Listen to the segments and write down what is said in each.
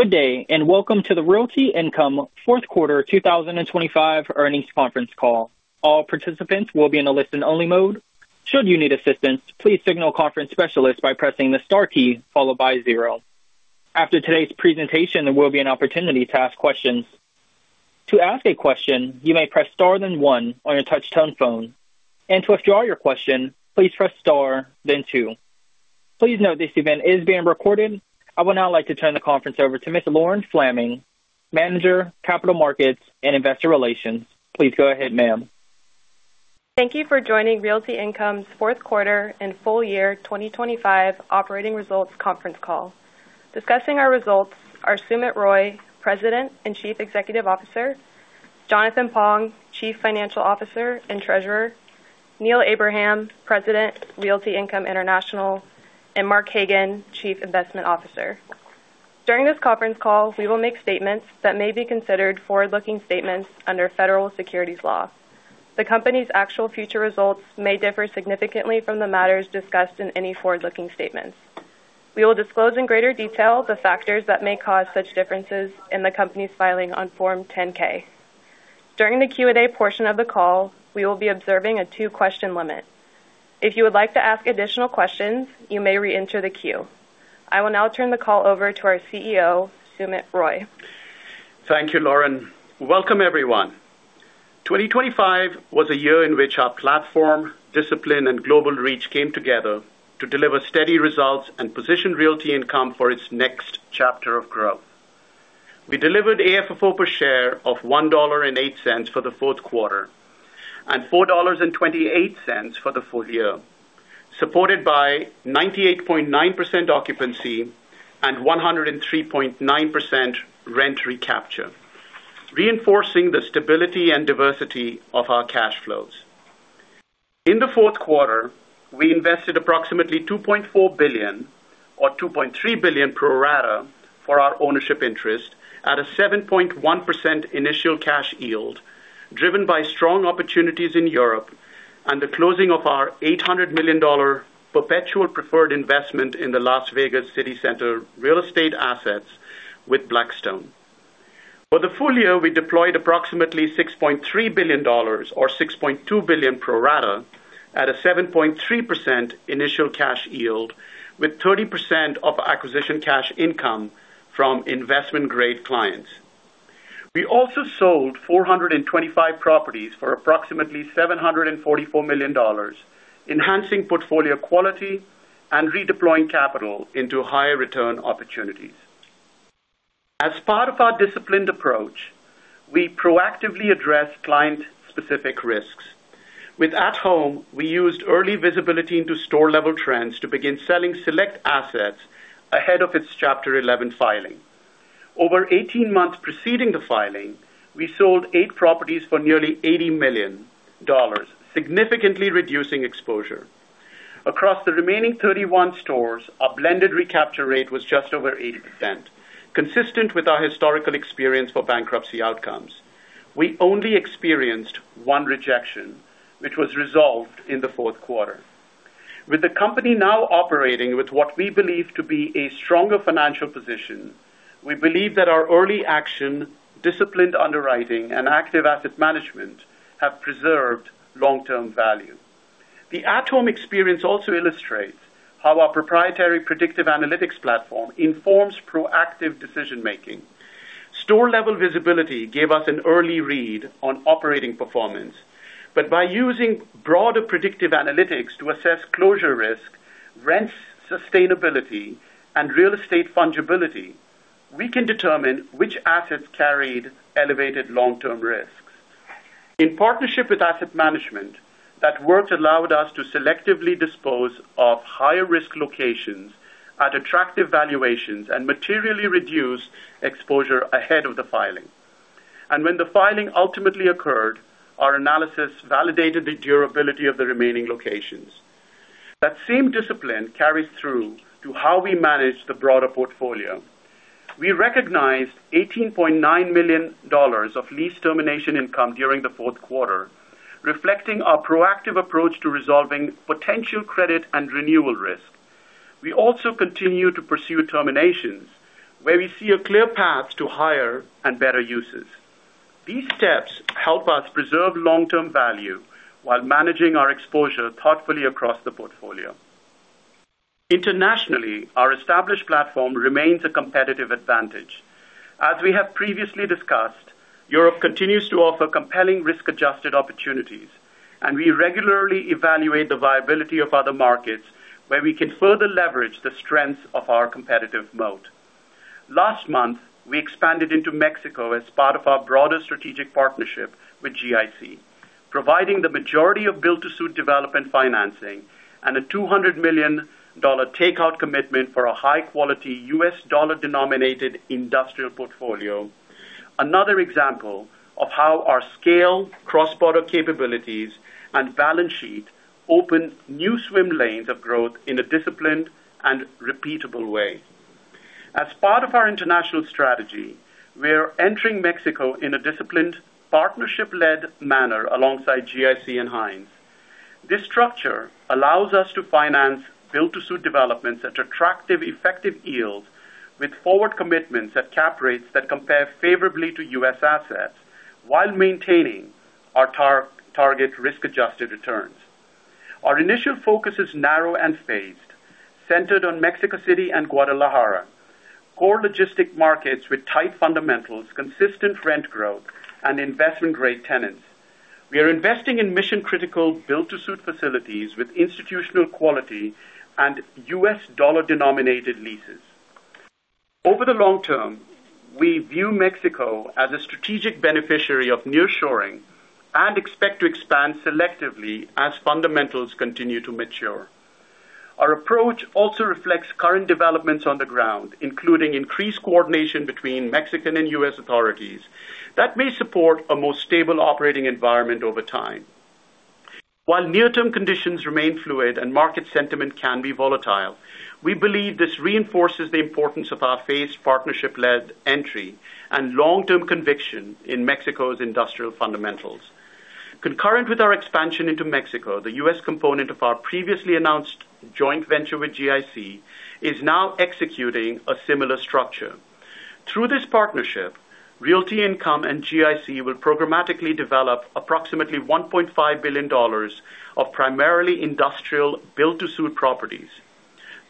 Good day, and welcome to the Realty Income Fourth Quarter 2025 Earnings Conference Call. All participants will be in a listen-only mode. Should you need assistance, please signal a conference specialist by pressing the star key followed by zero. After today's presentation, there will be an opportunity to ask questions. To ask a question, you may press star, then one on your touch-tone phone, and to withdraw your question, please press star, then two. Please note this event is being recorded. I would now like to turn the conference over to Miss Lauren Thomas, Manager, Capital Markets and Investor Relations. Please go ahead, ma'am. Thank you for joining Realty Income's fourth quarter and full year 2025 operating results conference call. Discussing our results are Sumit Roy, President and Chief Executive Officer; Jonathan Pong, Chief Financial Officer and Treasurer; Neil Abraham, President, Realty Income International, and Mark Hagan, Chief Investment Officer. During this conference call, we will make statements that may be considered forward-looking statements under federal securities law. The company's actual future results may differ significantly from the matters discussed in any forward-looking statements. We will disclose in greater detail the factors that may cause such differences in the company's filing on Form 10-K. During the Q&A portion of the call, we will be observing a 2-question limit. If you would like to ask additional questions, you may reenter the queue. I will now turn the call over to our CEO, Sumit Roy. Thank you, Lauren. Welcome, everyone. 2025 was a year in which our platform, discipline, and global reach came together to deliver steady results and position Realty Income for its next chapter of growth. We delivered AFFO per share of $1.08 for the fourth quarter, and $4.28 for the full year, supported by 98.9% occupancy and 103.9% rent recapture, reinforcing the stability and diversity of our cash flows. In the fourth quarter, we invested approximately $2.4 billion or $2.3 billion pro rata for our ownership interest at a 7.1% initial cash yield, driven by strong opportunities in Europe and the closing of our $800 million perpetual preferred investment in the Las Vegas City Center real estate assets with Blackstone. For the full year, we deployed approximately $6.3 billion or $6.2 billion pro rata at a 7.3% initial cash yield, with 30% of acquisition cash income from investment-grade clients. We also sold 425 properties for approximately $744 million, enhancing portfolio quality and redeploying capital into higher return opportunities. As part of our disciplined approach, we proactively address client-specific risks. With At Home, we used early visibility into store-level trends to begin selling select assets ahead of its Chapter 11 filing. Over 18 months preceding the filing, we sold eight properties for nearly $80 million, significantly reducing exposure. Across the remaining 31 stores, our blended recapture rate was just over 80%, consistent with our historical experience for bankruptcy outcomes. We only experienced one rejection, which was resolved in the fourth quarter. With the company now operating with what we believe to be a stronger financial position, we believe that our early action, disciplined underwriting, and active asset management have preserved long-term value. The At Home experience also illustrates how our proprietary predictive analytics platform informs proactive decision-making. Store-level visibility gave us an early read on operating performance, but by using broader predictive analytics to assess closure risk, rent sustainability, and real estate fungibility, we can determine which assets carried elevated long-term risks. In partnership with asset management, that work allowed us to selectively dispose of higher-risk locations at attractive valuations and materially reduce exposure ahead of the filing. When the filing ultimately occurred, our analysis validated the durability of the remaining locations. That same discipline carries through to how we manage the broader portfolio. We recognized $18.9 million of lease termination income during the fourth quarter, reflecting our proactive approach to resolving potential credit and renewal risk. We also continue to pursue terminations where we see a clear path to higher and better uses. These steps help us preserve long-term value while managing our exposure thoughtfully across the portfolio. Internationally, our established platform remains a competitive advantage. As we have previously discussed, Europe continues to offer compelling risk-adjusted opportunities, and we regularly evaluate the viability of other markets where we can further leverage the strengths of our competitive moat. Last month, we expanded into Mexico as part of our broader strategic partnership with GIC, providing the majority of build-to-suit development financing and a $200 million takeout commitment for a high-quality U.S. dollar-denominated industrial portfolio. Another example of how our scale, cross-border capabilities, and balance sheet open new swim lanes of growth in a disciplined and repeatable way. As part of our international strategy, we are entering Mexico in a disciplined, partnership-led manner alongside GIC and Hines. This structure allows us to finance build-to-suit developments at attractive effective yields, with forward commitments at cap rates that compare favorably to U.S. assets, while maintaining our target risk-adjusted returns. Our initial focus is narrow and phased, centered on Mexico City and Guadalajara, core logistic markets with tight fundamentals, consistent rent growth, and investment-grade tenants. We are investing in mission-critical, build-to-suit facilities with institutional quality and U.S. dollar-denominated leases. Over the long term, we view Mexico as a strategic beneficiary of nearshoring and expect to expand selectively as fundamentals continue to mature. Our approach also reflects current developments on the ground, including increased coordination between Mexican and U.S. authorities, that may support a more stable operating environment over time. While near-term conditions remain fluid and market sentiment can be volatile, we believe this reinforces the importance of our phased, partnership-led entry and long-term conviction in Mexico's industrial fundamentals. Concurrent with our expansion into Mexico, the U.S. component of our previously announced joint venture with GIC is now executing a similar structure. Through this partnership, Realty Income and GIC will programmatically develop approximately $1.5 billion of primarily industrial build-to-suit properties.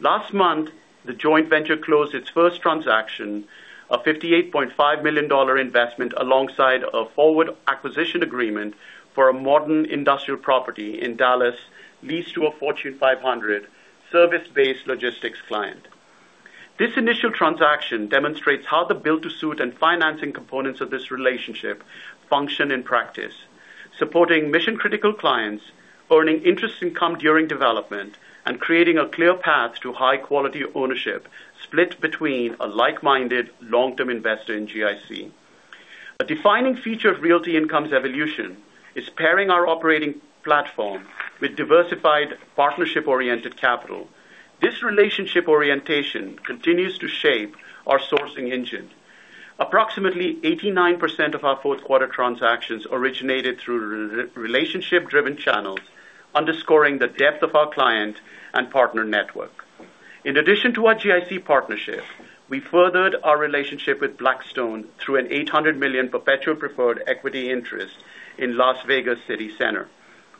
Last month, the joint venture closed its first transaction, a $58.5 million investment, alongside a forward acquisition agreement for a modern industrial property in Dallas, leased to a Fortune 500 service-based logistics client. This initial transaction demonstrates how the build-to-suit and financing components of this relationship function in practice, supporting mission-critical clients, earning interest income during development, and creating a clear path to high-quality ownership, split between a like-minded long-term investor in GIC. A defining feature of Realty Income's evolution is pairing our operating platform with diversified, partnership-oriented capital. This relationship orientation continues to shape our sourcing engine. Approximately 89% of our fourth quarter transactions originated through relationship-driven channels, underscoring the depth of our client and partner network. In addition to our GIC partnership, we furthered our relationship with Blackstone through an $800 million perpetual preferred equity interest in Las Vegas City Center,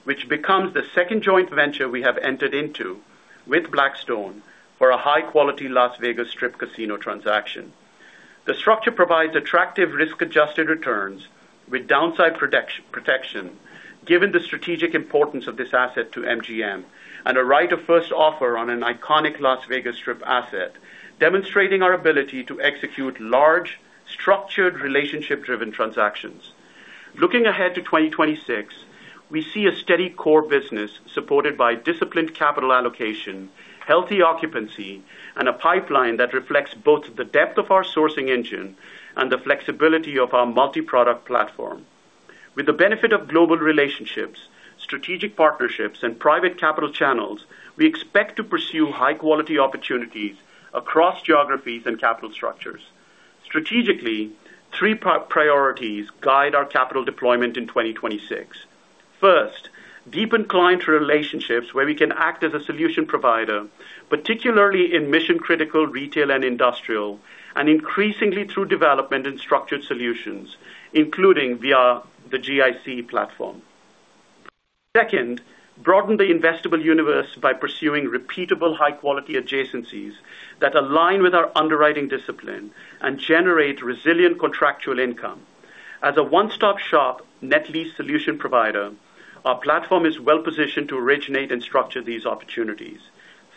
which becomes the second joint venture we have entered into with Blackstone for a high-quality Las Vegas Strip casino transaction. The structure provides attractive risk-adjusted returns with downside protection, given the strategic importance of this asset to MGM, and a right of first offer on an iconic Las Vegas Strip asset, demonstrating our ability to execute large, structured, relationship-driven transactions. Looking ahead to 2026, we see a steady core business supported by disciplined capital allocation, healthy occupancy, and a pipeline that reflects both the depth of our sourcing engine and the flexibility of our multiproduct platform. With the benefit of global relationships, strategic partnerships, and private capital channels, we expect to pursue high-quality opportunities across geographies and capital structures. Strategically, 3 priorities guide our capital deployment in 2026. First, deepen client relationships where we can act as a solution provider, particularly in mission-critical, retail, and industrial, and increasingly through development and structured solutions, including via the GIC platform. Second, broaden the investable universe by pursuing repeatable, high-quality adjacencies that align with our underwriting discipline and generate resilient contractual income. As a one-stop shop net lease solution provider, our platform is well positioned to originate and structure these opportunities.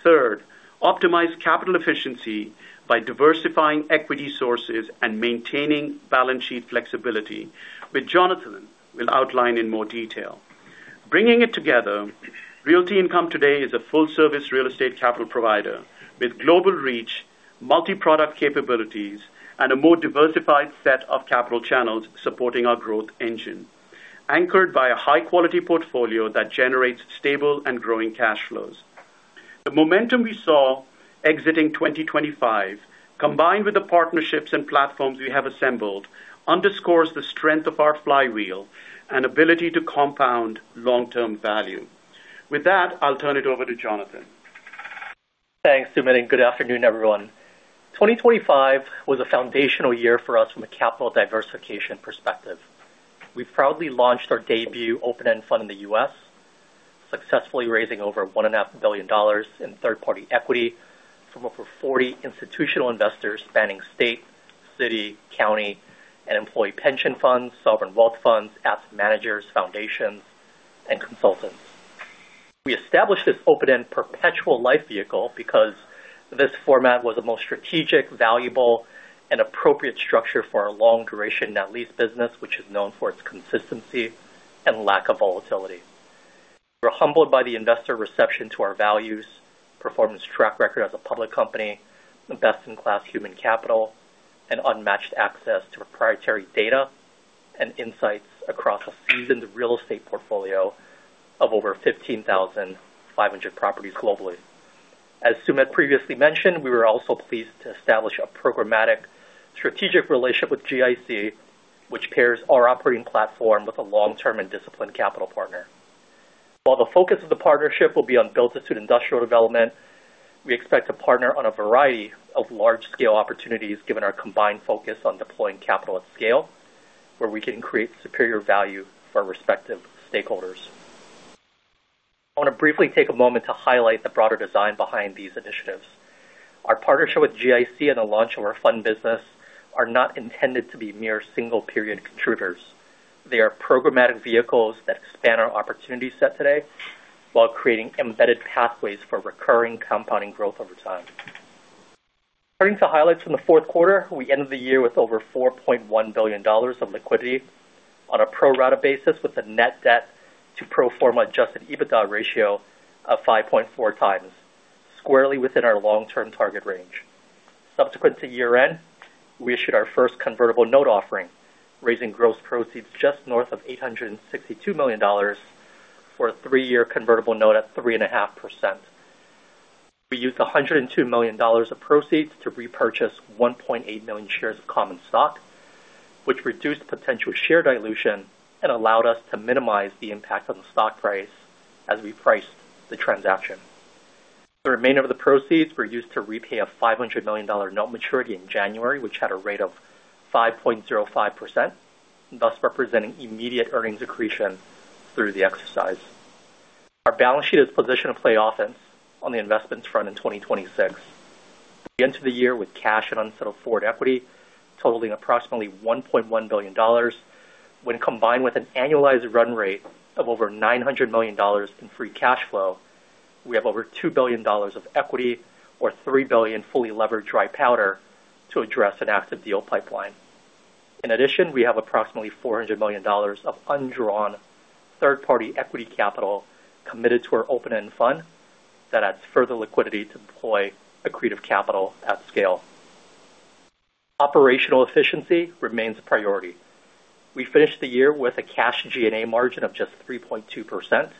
Third, optimize capital efficiency by diversifying equity sources and maintaining balance sheet flexibility, which Jonathan will outline in more detail. Bringing it together, Realty Income today is a full-service real estate capital provider with global reach, multiproduct capabilities, and a more diversified set of capital channels supporting our growth engine, anchored by a high-quality portfolio that generates stable and growing cash flows. The momentum we saw exiting 2025, combined with the partnerships and platforms we have assembled, underscores the strength of our flywheel and ability to compound long-term value. With that, I'll turn it over to Jonathan. Thanks, Sumit. Good afternoon, everyone. 2025 was a foundational year for us from a capital diversification perspective. We proudly launched our debut open-end fund in the U.S., successfully raising over one and a half billion dollars in third-party equity from over 40 institutional investors spanning state, city, county, and employee pension funds, sovereign wealth funds, asset managers, foundations, and consultants. We established this open-end perpetual life vehicle because this format was the most strategic, valuable, and appropriate structure for our long-duration net lease business, which is known for its consistency and lack of volatility. We're humbled by the investor reception to our values, performance track record as a public company, the best-in-class human capital, and unmatched access to proprietary data and insights across a seasoned real estate portfolio of over 15,500 properties globally. As Sumit previously mentioned, we were also pleased to establish a programmatic strategic relationship with GIC, which pairs our operating platform with a long-term and disciplined capital partner. While the focus of the partnership will be on build-to-suit industrial development, we expect to partner on a variety of large-scale opportunities, given our combined focus on deploying capital at scale, where we can create superior value for our respective stakeholders. I want to briefly take a moment to highlight the broader design behind these initiatives. Our partnership with GIC and the launch of our fund business are not intended to be mere single-period contributors. They are programmatic vehicles that expand our opportunity set today while creating embedded pathways for recurring compounding growth over time. Turning to highlights from the fourth quarter, we ended the year with over $4.1 billion of liquidity on a pro rata basis, with a net debt to pro forma adjusted EBITDA ratio of 5.4 times, squarely within our long-term target range. Subsequent to year-end, we issued our first convertible note offering, raising gross proceeds just north of $862 million for a three-year convertible note at 3.5%. We used $102 million of proceeds to repurchase 1.8 million shares of common stock, which reduced potential share dilution and allowed us to minimize the impact on the stock price as we priced the transaction. The remainder of the proceeds were used to repay a $500 million note maturity in January, which had a rate of 5.05%, thus representing immediate earnings accretion through the exercise. Our balance sheet is positioned to play offense on the investments front in 2026. We end the year with cash and unsettled forward equity totaling approximately $1.1 billion. When combined with an annualized run rate of over $900 million in free cash flow, we have over $2 billion of equity or $3 billion fully levered dry powder to address an active deal pipeline. In addition, we have approximately $400 million of undrawn third-party equity capital committed to our open-end fund. That adds further liquidity to deploy accretive capital at scale. Operational efficiency remains a priority. We finished the year with a cash G&A margin of just 3.2%,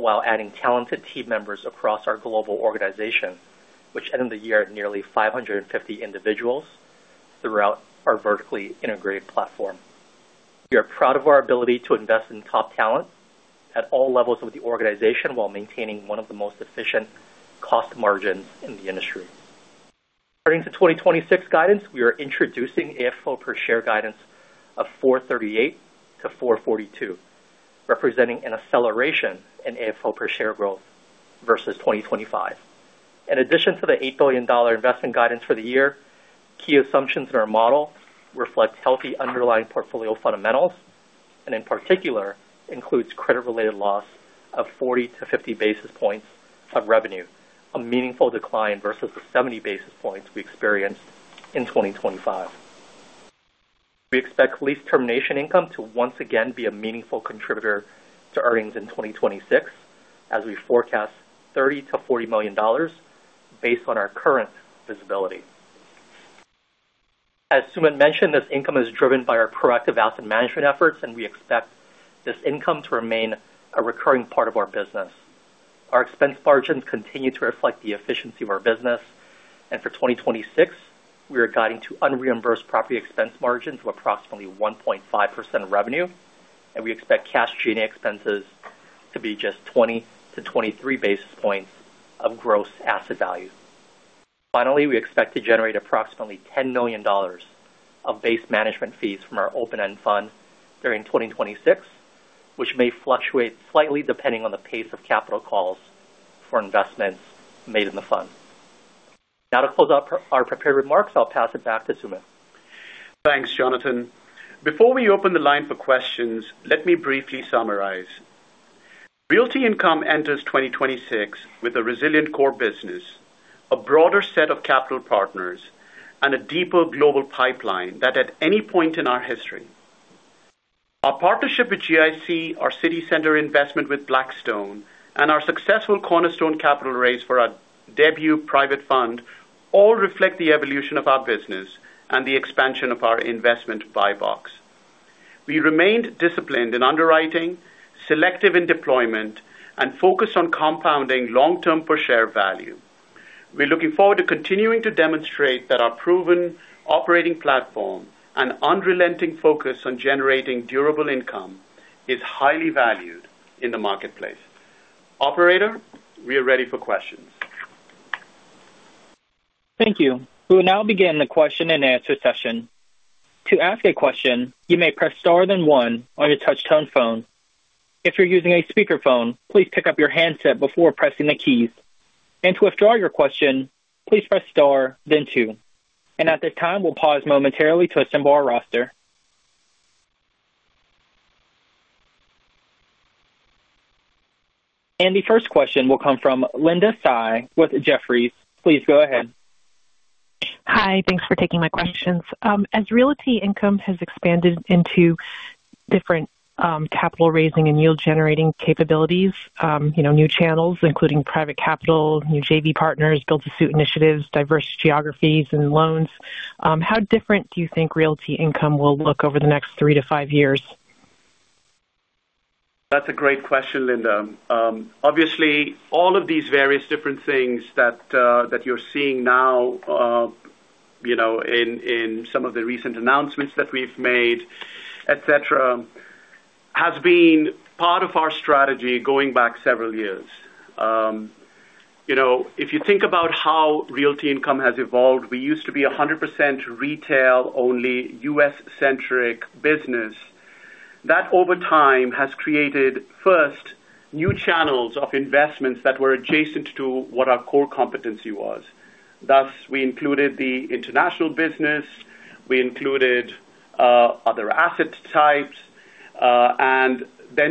while adding talented team members across our global organization, which ended the year at nearly 550 individuals throughout our vertically integrated platform. We are proud of our ability to invest in top talent at all levels of the organization, while maintaining one of the most efficient cost margins in the industry. Turning to 2026 guidance, we are introducing AFFO per share guidance of $4.38-$4.42, representing an acceleration in AFFO per share growth versus 2025. In addition to the $8 billion investment guidance for the year, key assumptions in our model reflects healthy underlying portfolio fundamentals and, in particular, includes credit-related loss of 40-50 basis points of revenue, a meaningful decline versus the 70 basis points we experienced in 2025. We expect lease termination income to once again be a meaningful contributor to earnings in 2026, as we forecast $30 million-$40 million based on our current visibility. As Sumit mentioned, this income is driven by our proactive asset management efforts. We expect this income to remain a recurring part of our business. Our expense margins continue to reflect the efficiency of our business. For 2026, we are guiding to unreimbursed property expense margin to approximately 1.5% of revenue. We expect cash G&A expenses to be just 20-23 basis points of gross asset value. Finally, we expect to generate approximately $10 million of base management fees from our open-end fund during 2026, which may fluctuate slightly depending on the pace of capital calls for investments made in the fund. Now, to close out our prepared remarks, I'll pass it back to Sumit. Thanks, Jonathan. Before we open the line for questions, let me briefly summarize. Realty Income enters 2026 with a resilient core business, a broader set of capital partners, and a deeper global pipeline that at any point in our history. Our partnership with GIC, our city center investment with Blackstone, and our successful cornerstone capital raise for our debut private fund all reflect the evolution of our business and the expansion of our investment buy box. We remained disciplined in underwriting, selective in deployment, and focused on compounding long-term per share value. We're looking forward to continuing to demonstrate that our proven operating platform and unrelenting focus on generating durable income is highly valued in the marketplace. Operator, we are ready for questions. Thank you. We will now begin the question-and-answer session. To ask a question, you may press Star then 1 on your touch-tone phone. If you're using a speakerphone, please pick up your handset before pressing the keys. To withdraw your question, please press Star then 2. At this time, we'll pause momentarily to assemble our roster. The first question will come from Linda Tsai with Jefferies. Please go ahead. Hi. Thanks for taking my questions. As Realty Income has expanded into different capital raising and yield-generating capabilities, you know, new channels, including private capital, new JV partners, build-to-suit initiatives, diverse geographies and loans, how different do you think Realty Income will look over the next three to five years? That's a great question, Linda. Obviously, all of these various different things that you're seeing now, you know, in some of the recent announcements that we've made, et cetera, has been part of our strategy going back several years. You know, if you think about how Realty Income has evolved, we used to be 100% retail-only, US-centric business. That, over time, has created, first, new channels of investments that were adjacent to what our core competency was. We included the international business, we included other asset types,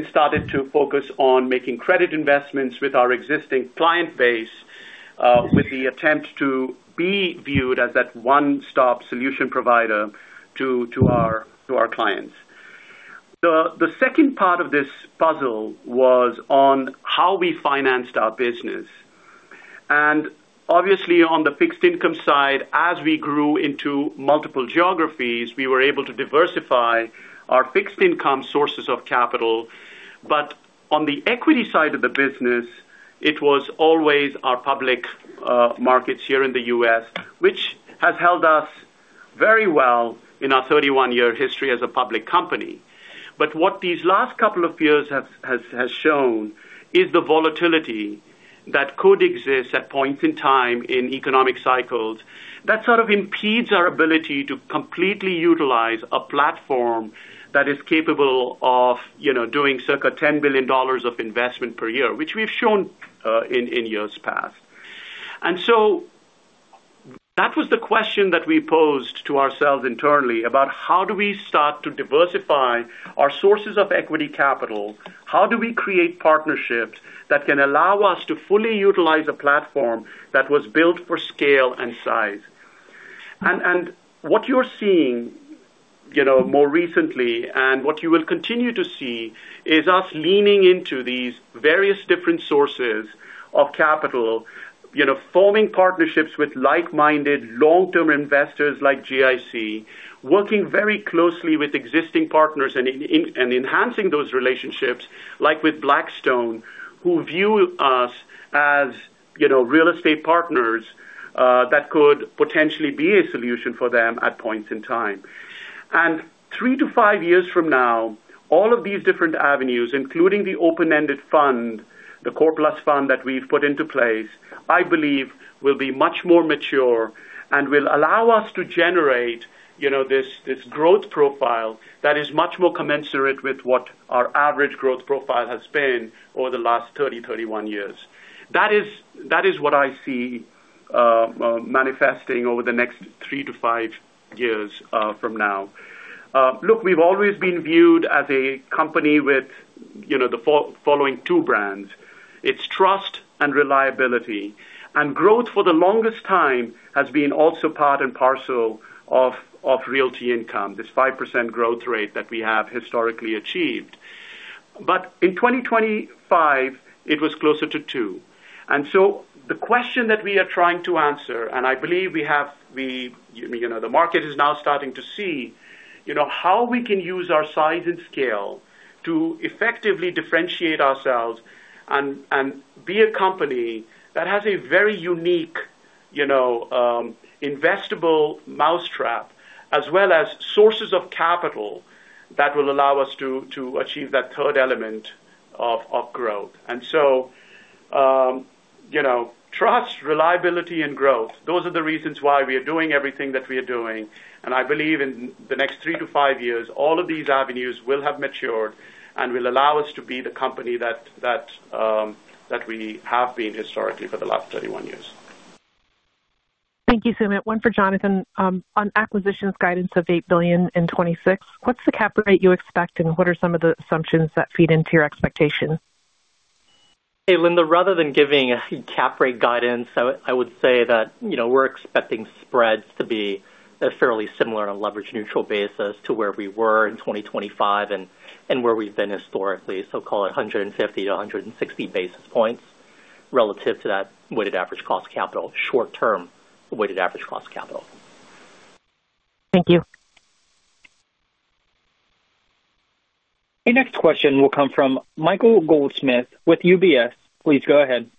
started to focus on making credit investments with our existing client base, with the attempt to be viewed as that one-stop solution provider to our clients. The second part of this puzzle was on how we financed our business. Obviously, on the fixed income side, as we grew into multiple geographies, we were able to diversify our fixed income sources of capital. On the equity side of the business, it was always our public markets here in the U.S., which has held us very well in our 31-year history as a public company. What these last couple of years have shown is the volatility that could exist at points in time in economic cycles. That sort of impedes our ability to completely utilize a platform that is capable of, you know, doing circa $10 billion of investment per year, which we've shown in years past. That was the question that we posed to ourselves internally about how do we start to diversify our sources of equity capital? How do we create partnerships that can allow us to fully utilize a platform that was built for scale and size? What you're seeing, you know, more recently, and what you will continue to see, is us leaning into these various different sources of capital, you know, forming partnerships with like-minded, long-term investors like GIC, working very closely with existing partners and enhancing those relationships, like with Blackstone, who view us as, you know, real estate partners that could potentially be a solution for them at points in time. 3-5 years from now, all of these different avenues, including the open-ended fund, the core plus fund that we've put into place, I believe will be much more mature and will allow us to generate, you know, this growth profile that is much more commensurate with what our average growth profile has been over the last 30, 31 years. That is what I see manifesting over the next 3-5 years from now. Look, we've always been viewed as a company with, you know, the following two brands. It's trust and reliability, and growth for the longest time has been also part and parcel of Realty Income, this 5% growth rate that we have historically achieved. In 2025, it was closer to 2. The question that we are trying to answer, and I believe we, you know, the market is now starting to see, you know, how we can use our size and scale to effectively differentiate ourselves and be a company that has a very unique, you know, investable mousetrap, as well as sources of capital that will allow us to achieve that third element of growth. Trust, reliability and growth, those are the reasons why we are doing everything that we are doing. I believe in the next three to five years, all of these avenues will have matured and will allow us to be the company that we have been historically for the last 31 years. Thank you, Sumit. One for Jonathan. On acquisitions guidance of $8 billion in 2026, what's the cap rate you expect, and what are some of the assumptions that feed into your expectations? Hey, Linda, rather than giving a cap rate guidance, I would say that, you know, we're expecting spreads to be fairly similar on a leverage neutral basis to where we were in 2025 and where we've been historically. Call it 150-160 basis points relative to that weighted average cost capital, short-term weighted average cost capital. Thank you. Your next question will come from Michael Goldsmith with UBS. Please go ahead.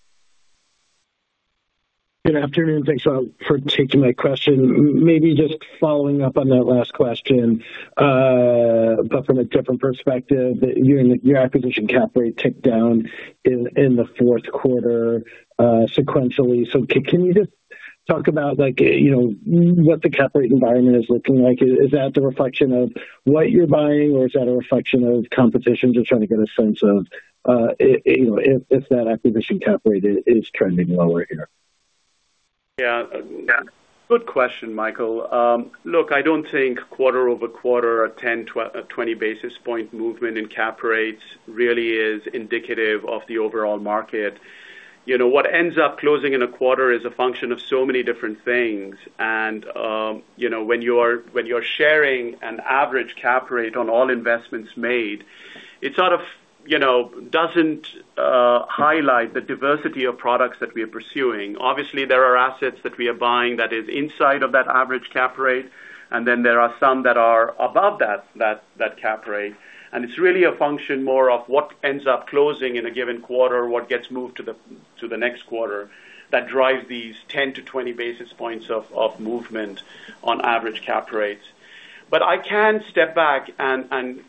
Good afternoon. Thanks for taking my question. maybe just following up on that last question, but from a different perspective, your acquisition cap rate ticked down in the fourth quarter sequentially. Can you just talk about, like, you know, what the cap rate environment is looking like? Is that a reflection of what you're buying, or is that a reflection of competition? Just trying to get a sense of, you know, if that acquisition cap rate is trending lower here. Good question, Michael. Look, I don't think quarter-over-quarter, a 20 basis point movement in cap rates really is indicative of the overall market. You know, what ends up closing in a quarter is a function of so many different things. You know, when you're sharing an average cap rate on all investments made, it sort of, you know, doesn't highlight the diversity of products that we are pursuing. Obviously, there are assets that we are buying that is inside of that average cap rate, and then there are some that are above that cap rate. It's really a function more of what ends up closing in a given quarter, what gets moved to the next quarter, that drives these 10 to 20 basis points of movement on average cap rates. I can step back and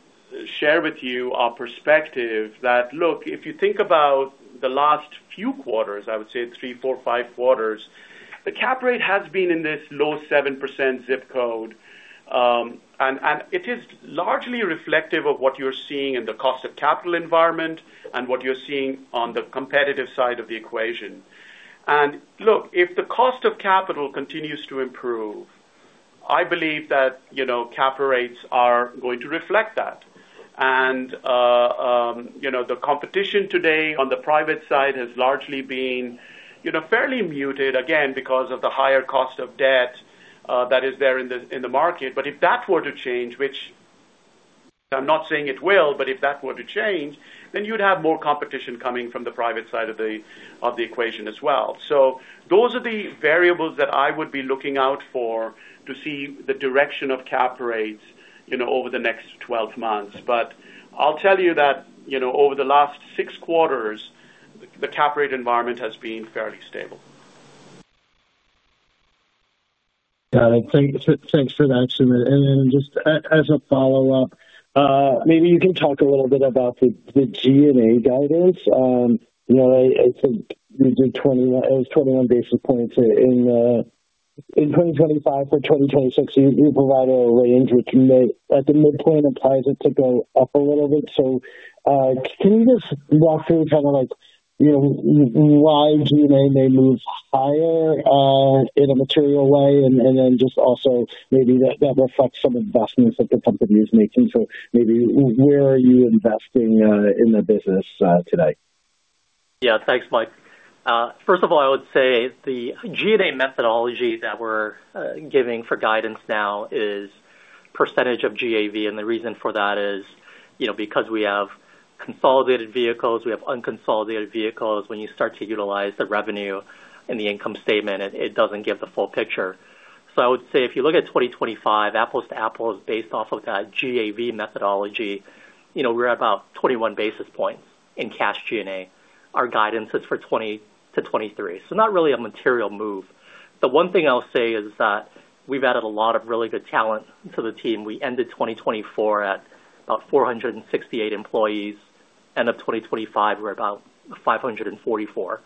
share with you our perspective that, look, if you think about the last few quarters, I would say 3, 4, 5 quarters, the cap rate has been in this low 7% zip code. It is largely reflective of what you're seeing in the cost of capital environment and what you're seeing on the competitive side of the equation. Look, if the cost of capital continues to improve, I believe that, you know, cap rates are going to reflect that. You know, the competition today on the private side has largely been, you know, fairly muted, again, because of the higher cost of debt that is there in the market. If that were to change, which I'm not saying it will, but if that were to change, then you'd have more competition coming from the private side of the, of the equation as well. Those are the variables that I would be looking out for to see the direction of cap rates, you know, over the next 12 months. I'll tell you that, you know, over the last six quarters, the cap rate environment has been fairly stable. Got it. Thanks for that, Sumit. Just as a follow-up, maybe you can talk a little bit about the G&A guidance. I think you did 21, it was 21 basis points in 2025 to 2026. You provide a range which may, at the midpoint, appears to go up a little bit. Can you just walk through kind of like, why G&A may move higher in a material way? Then just also maybe that reflects some investments that the company is making. Maybe where are you investing in the business today? Thanks, Mike. First of all, I would say the G&A methodology that we're giving for guidance now is percentage of GAV. The reason for that is, you know, because we have consolidated vehicles, we have unconsolidated vehicles. When you start to utilize the revenue in the income statement, it doesn't give the full picture. I would say if you look at 2025, apples to apples, based off of that GAV methodology, you know, we're at about 21 basis points in cash G&A. Our guidance is for 20-23. Not really a material move. The one thing I'll say is that we've added a lot of really good talent to the team. We ended 2024 at about 468 employees. End of 2025, we're about 544.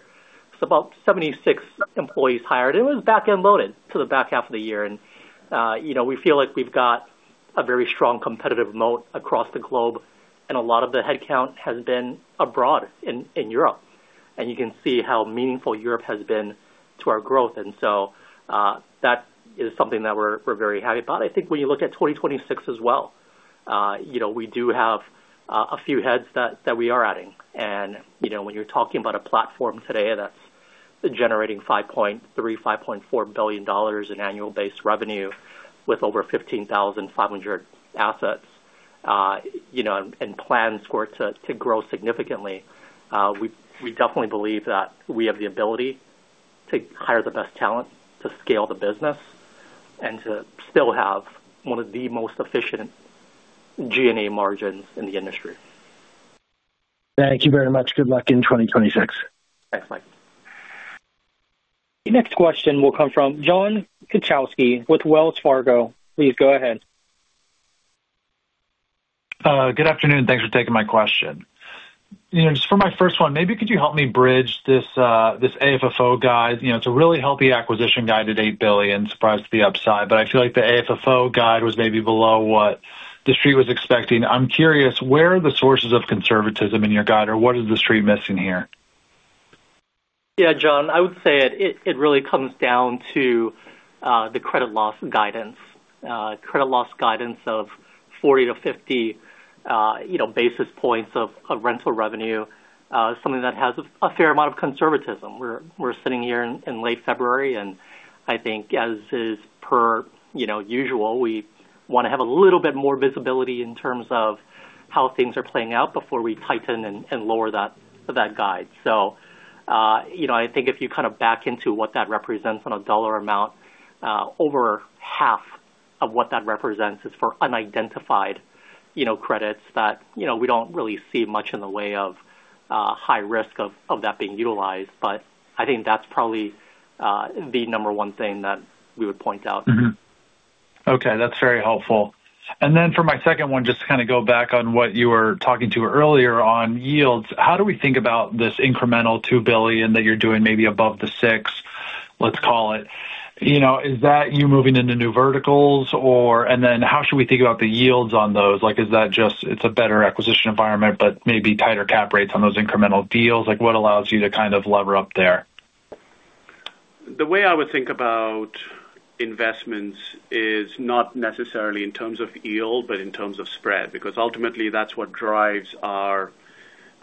About 76 employees hired, it was back-end loaded to the back half of the year. You know, we feel like we've got a very strong competitive moat across the globe, and a lot of the headcount has been abroad in Europe, and you can see how meaningful Europe has been to our growth. That is something that we're very happy about. I think when you look at 2026 as well, you know, we do have a few heads that we are adding. You know, when you're talking about a platform today that's generating $5.3 billion-$5.4 billion in annual base revenue with over 15,500 assets, you know, and plans for it to grow significantly, we definitely believe that we have the ability to hire the best talent to scale the business and to still have one of the most efficient G&A margins in the industry. Thank you very much. Good luck in 2026. Thanks, Mike. The next question will come from John Kaczynski with Wells Fargo. Please go ahead. Good afternoon. Thanks for taking my question. You know, just for my first one, maybe could you help me bridge this AFFO guide? You know, it's a really healthy acquisition guide at $8 billion, surprised to the upside, but I feel like the AFFO guide was maybe below what the street was expecting. I'm curious, where are the sources of conservatism in your guide, or what is the street missing here? Yeah, John, I would say it really comes down to the credit loss guidance. Credit loss guidance of 40-50, you know, basis points of rental revenue is something that has a fair amount of conservatism. We're sitting here in late February, and I think as is per, you know, usual, we want to have a little bit more visibility in terms of how things are playing out before we tighten and lower that guide. You know, I think if you kind of back into what that represents on a dollar amount, over half of what that represents is for unidentified, you know, credits that, you know, we don't really see much in the way of high risk of that being utilized. I think that's probably the number one thing that we would point out. Okay, that's very helpful. For my second one, just to kind of go back on what you were talking to earlier on yields. How do we think about this incremental $2 billion that you're doing, maybe above the 6, let's call it? You know, is that you moving into new verticals or... How should we think about the yields on those? Like, is that just, it's a better acquisition environment, but maybe tighter cap rates on those incremental deals? Like, what allows you to kind of lever up there? The way I would think about investments is not necessarily in terms of yield, but in terms of spread, because ultimately that's what drives our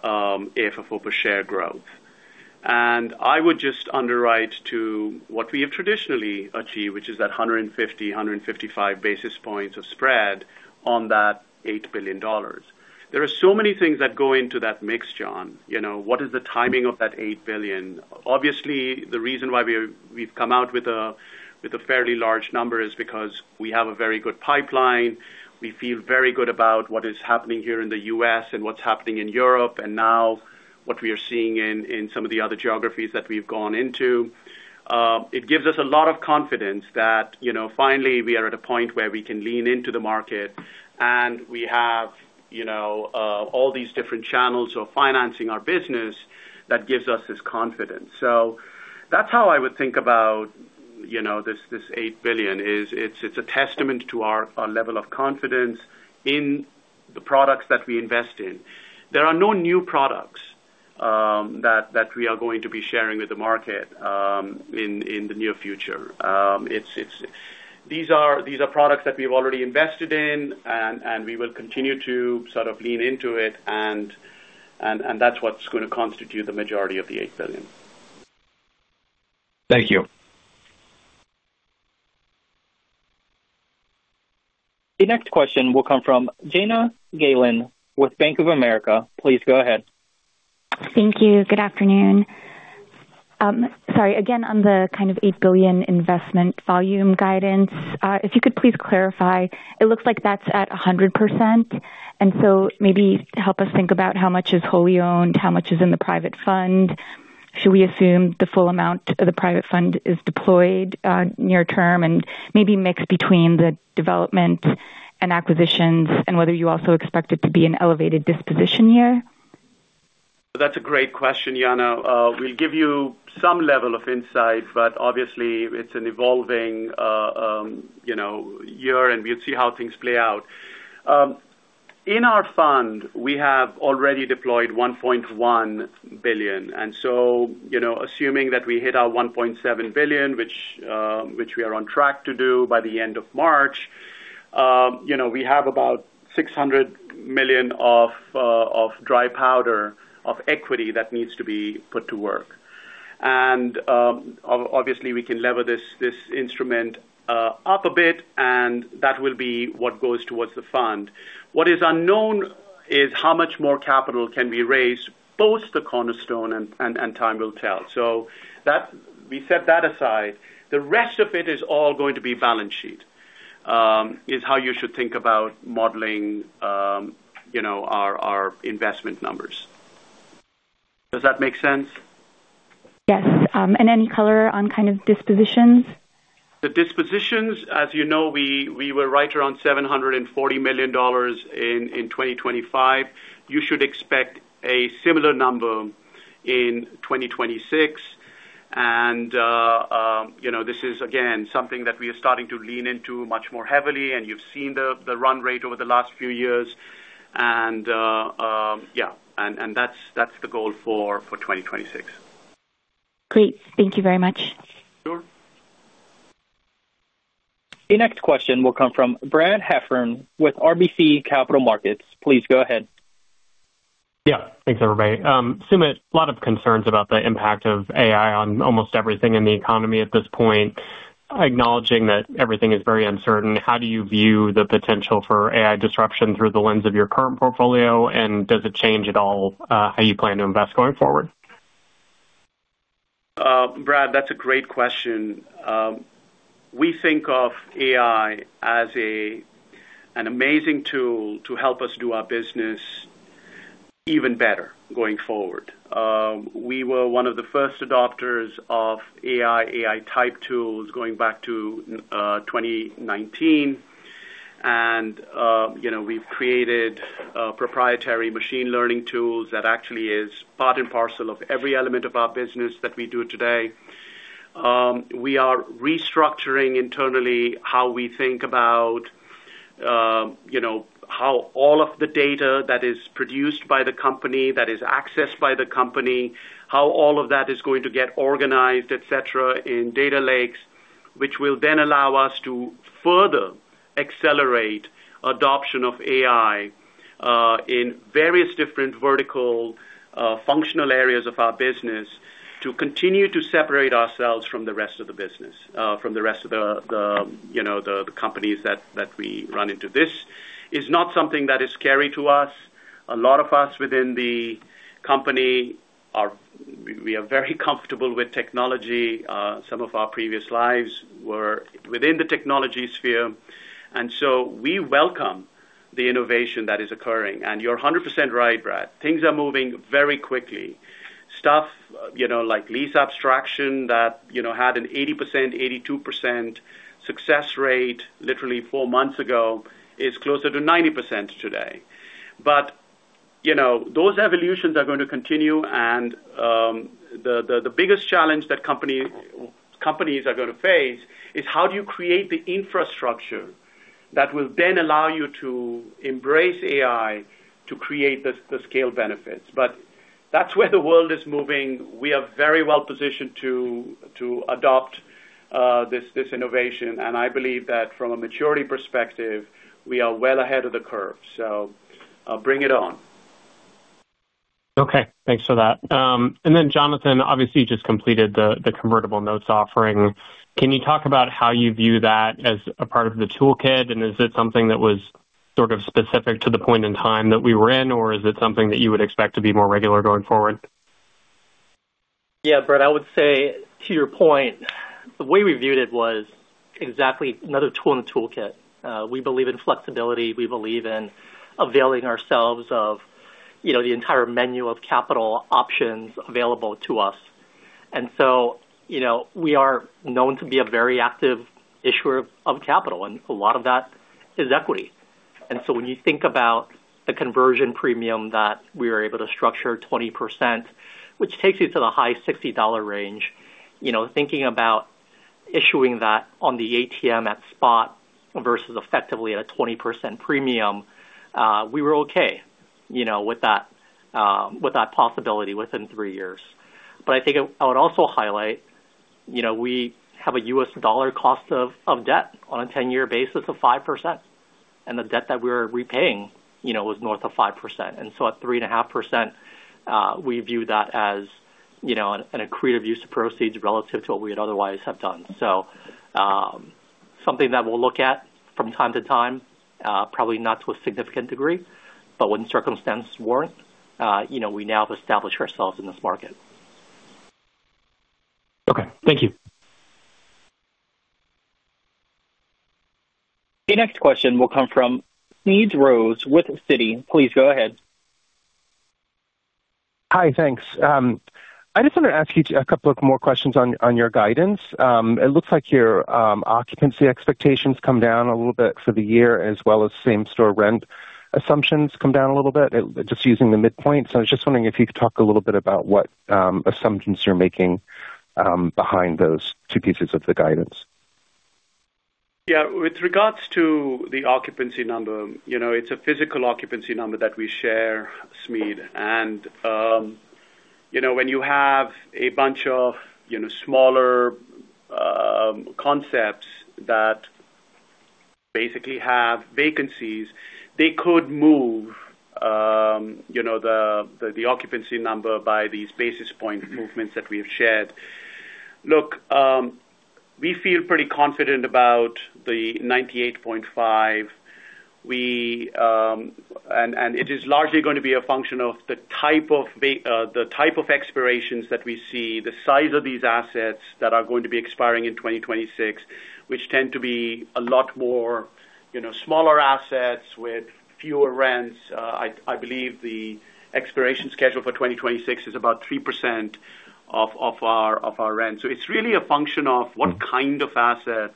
AFFO per share growth... I would just underwrite to what we have traditionally achieved, which is that 150-155 basis points of spread on that $8 billion. There are so many things that go into that mix, John. You know, what is the timing of that $8 billion? Obviously, the reason why we've come out with a, with a fairly large number is because we have a very good pipeline. We feel very good about what is happening here in the U.S. and what's happening in Europe, and now what we are seeing in some of the other geographies that we've gone into. It gives us a lot of confidence that, you know, finally, we are at a point where we can lean into the market, and we have, you know, all these different channels of financing our business that gives us this confidence. That's how I would think about, you know, this $8 billion, is it's a testament to our level of confidence in the products that we invest in. There are no new products that we are going to be sharing with the market in the near future. It's these are products that we've already invested in, and we will continue to sort of lean into it, and that's what's going to constitute the majority of the $8 billion. Thank you. The next question will come from Joshua Dennerlein with Bank of America. Please go ahead. Thank you. Good afternoon. Sorry, again, on the kind of $8 billion investment volume guidance, if you could please clarify, it looks like that's at 100%, and so maybe help us think about how much is wholly owned, how much is in the private fund. Should we assume the full amount of the private fund is deployed, near term, and maybe mix between the development and acquisitions, and whether you also expect it to be an elevated disposition year? That's a great question, Joshua. We'll give you some level of insight, but obviously, it's an evolving, you know, year, and we'll see how things play out. In our fund, we have already deployed $1.1 billion, you know, assuming that we hit our $1.7 billion, which we are on track to do by the end of March, you know, we have about $600 million of dry powder, of equity that needs to be put to work. Obviously, we can lever this instrument up a bit, and that will be what goes towards the fund. What is unknown is how much more capital can be raised post the cornerstone and time will tell. That we set that aside. The rest of it is all going to be balance sheet, is how you should think about modeling, you know, our investment numbers. Does that make sense? Yes. Any color on kind of dispositions? The dispositions, as you know, we were right around $740 million in 2025. You should expect a similar number in 2026. You know, this is, again, something that we are starting to lean into much more heavily, and you've seen the run rate over the last few years. Yeah, and that's the goal for 2026. Great. Thank you very much. Sure. The next question will come from Brad Heffern with RBC Capital Markets. Please go ahead. Yeah, thanks, everybody. Sumit, a lot of concerns about the impact of AI on almost everything in the economy at this point. Acknowledging that everything is very uncertain, how do you view the potential for AI disruption through the lens of your current portfolio? Does it change at all how you plan to invest going forward? Brad, that's a great question. We think of AI as a, an amazing tool to help us do our business even better going forward. We were one of the first adopters of AI-type tools going back to 2019, and, you know, we've created proprietary machine learning tools that actually is part and parcel of every element of our business that we do today. We are restructuring internally how we think about, you know, how all of the data that is produced by the company, that is accessed by the company, how all of that is going to get organized, et cetera, in data lakes, which will then allow us to further accelerate adoption of AI in various different vertical functional areas of our business to continue to separate ourselves from the rest of the business, from the rest of the, you know, the companies that we run into. This is not something that is scary to us. A lot of us within the company we are very comfortable with technology. Some of our previous lives were within the technology sphere, we welcome the innovation that is occurring. You're 100% right, Brad. Things are moving very quickly. Stuff, you know, like lease abstraction, that, you know, had an 80%, 82% success rate literally four months ago, is closer to 90% today. You know, those evolutions are going to continue, and the biggest challenge that companies are gonna face is: How do you create the infrastructure that will then allow you to embrace AI to create the scale benefits? That's where the world is moving. We are very well positioned to adopt this innovation, and I believe that from a maturity perspective, we are well ahead of the curve, so bring it on. Okay, thanks for that. Jonathan, obviously, you just completed the convertible notes offering. Can you talk about how you view that as a part of the toolkit? Is it something that was sort of specific to the point in time that we were in, or is it something that you would expect to be more regular going forward? Yeah, Brett, I would say to your point, the way we viewed it was exactly another tool in the toolkit. We believe in flexibility. We believe in availing ourselves of, you know, the entire menu of capital options available to us. You know, we are known to be a very active issuer of capital, and a lot of that is equity. When you think about the conversion premium, that we were able to structure 20%, which takes you to the high $60 range, you know, thinking about issuing that on the ATM at spot versus effectively at a 20% premium, we were okay, you know, with that possibility within three years. I think I would also highlight, you know, we have a US dollar cost of debt on a 10-year basis of 5%, and the debt that we're repaying, you know, was north of 5%. At 3.5%, we view that as, you know, an accretive use of proceeds relative to what we would otherwise have done. Something that we'll look at from time to time, probably not to a significant degree, but when circumstances warrant, you know, we now have established ourselves in this market. Okay, thank you. The next question will come from Smedes Rose with Citi. Please go ahead. Hi, thanks. I just wanted to ask you a couple of more questions on your guidance. It looks like your occupancy expectations come down a little bit for the year, as well as same-store rent assumptions come down a little bit, just using the midpoint. I was just wondering if you could talk a little bit about what assumptions you're making behind those two pieces of the guidance. Yeah, with regards to the occupancy number, you know, it's a physical occupancy number that we share, Smeed, and, you know, when you have a bunch of, you know, smaller, concepts that basically have vacancies, they could move, you know, the occupancy number by these basis point movements that we've shared. Look, we feel pretty confident about the 98.5. We... And it is largely going to be a function of the type of the type of expirations that we see, the size of these assets that are going to be expiring in 2026, which tend to be a lot more, you know, smaller assets with fewer rents. I believe the expiration schedule for 2026 is about 3% of our rent. It's really a function of what kind of assets,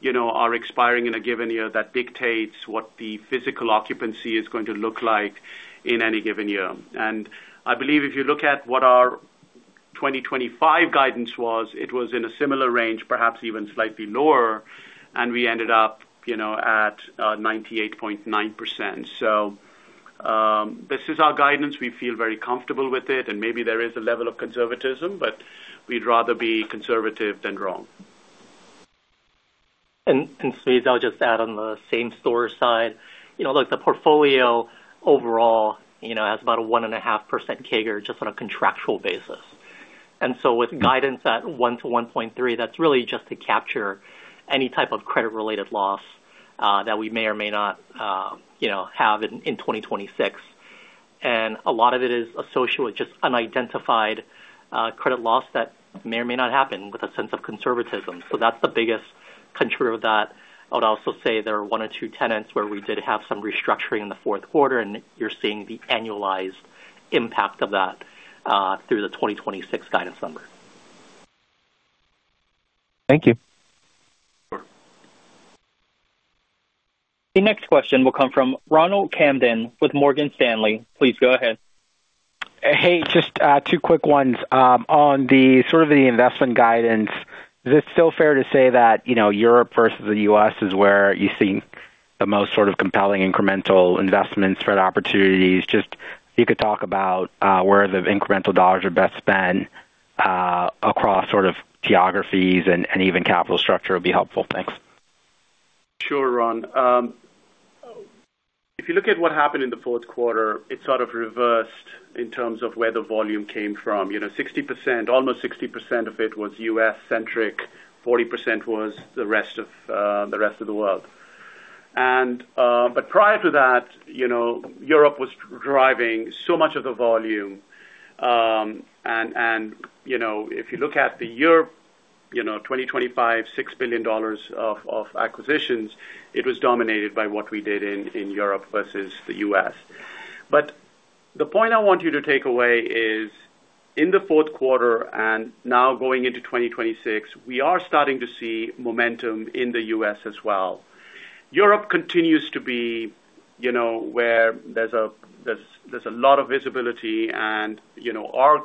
you know, are expiring in a given year that dictates what the physical occupancy is going to look like in any given year. I believe if you look at what our 2025 guidance was, it was in a similar range, perhaps even slightly lower, and we ended up, you know, at 98.9%. This is our guidance. We feel very comfortable with it, and maybe there is a level of conservatism, but we'd rather be conservative than wrong. Smeed, I'll just add on the same store side, you know, look, the portfolio overall, you know, has about a 1.5% CAGR, just on a contractual basis. With guidance at 1% to 1.3%, that's really just to capture any type of credit-related loss that we may or may not, you know, have in 2026. A lot of it is associated with just unidentified credit loss that may or may not happen with a sense of conservatism. That's the biggest contributor to that. I would also say there are one or two tenants where we did have some restructuring in the fourth quarter, and you're seeing the annualized impact of that through the 2026 guidance number. Thank you. The next question will come from Ronald Kamdem with Morgan Stanley. Please go ahead. Hey, just 2 quick ones. On the sort of the investment guidance, is it still fair to say that, you know, Europe versus the U.S. is where you see the most sort of compelling incremental investments for opportunities? Just if you could talk about where the incremental dollars are best spent across sort of geographies and even capital structure would be helpful. Thanks. Sure, Ron. If you look at what happened in the fourth quarter, it sort of reversed in terms of where the volume came from. You know, 60%, almost 60% of it was U.S.-centric, 40% was the rest of the world. Prior to that, you know, Europe was driving so much of the volume. You know, if you look at the Europe, you know, 2025, $6 billion of acquisitions, it was dominated by what we did in Europe versus the U.S. The point I want you to take away is, in the fourth quarter and now going into 2026, we are starting to see momentum in the U.S. as well. Europe continues to be, you know, where there's a lot of visibility and, you know, our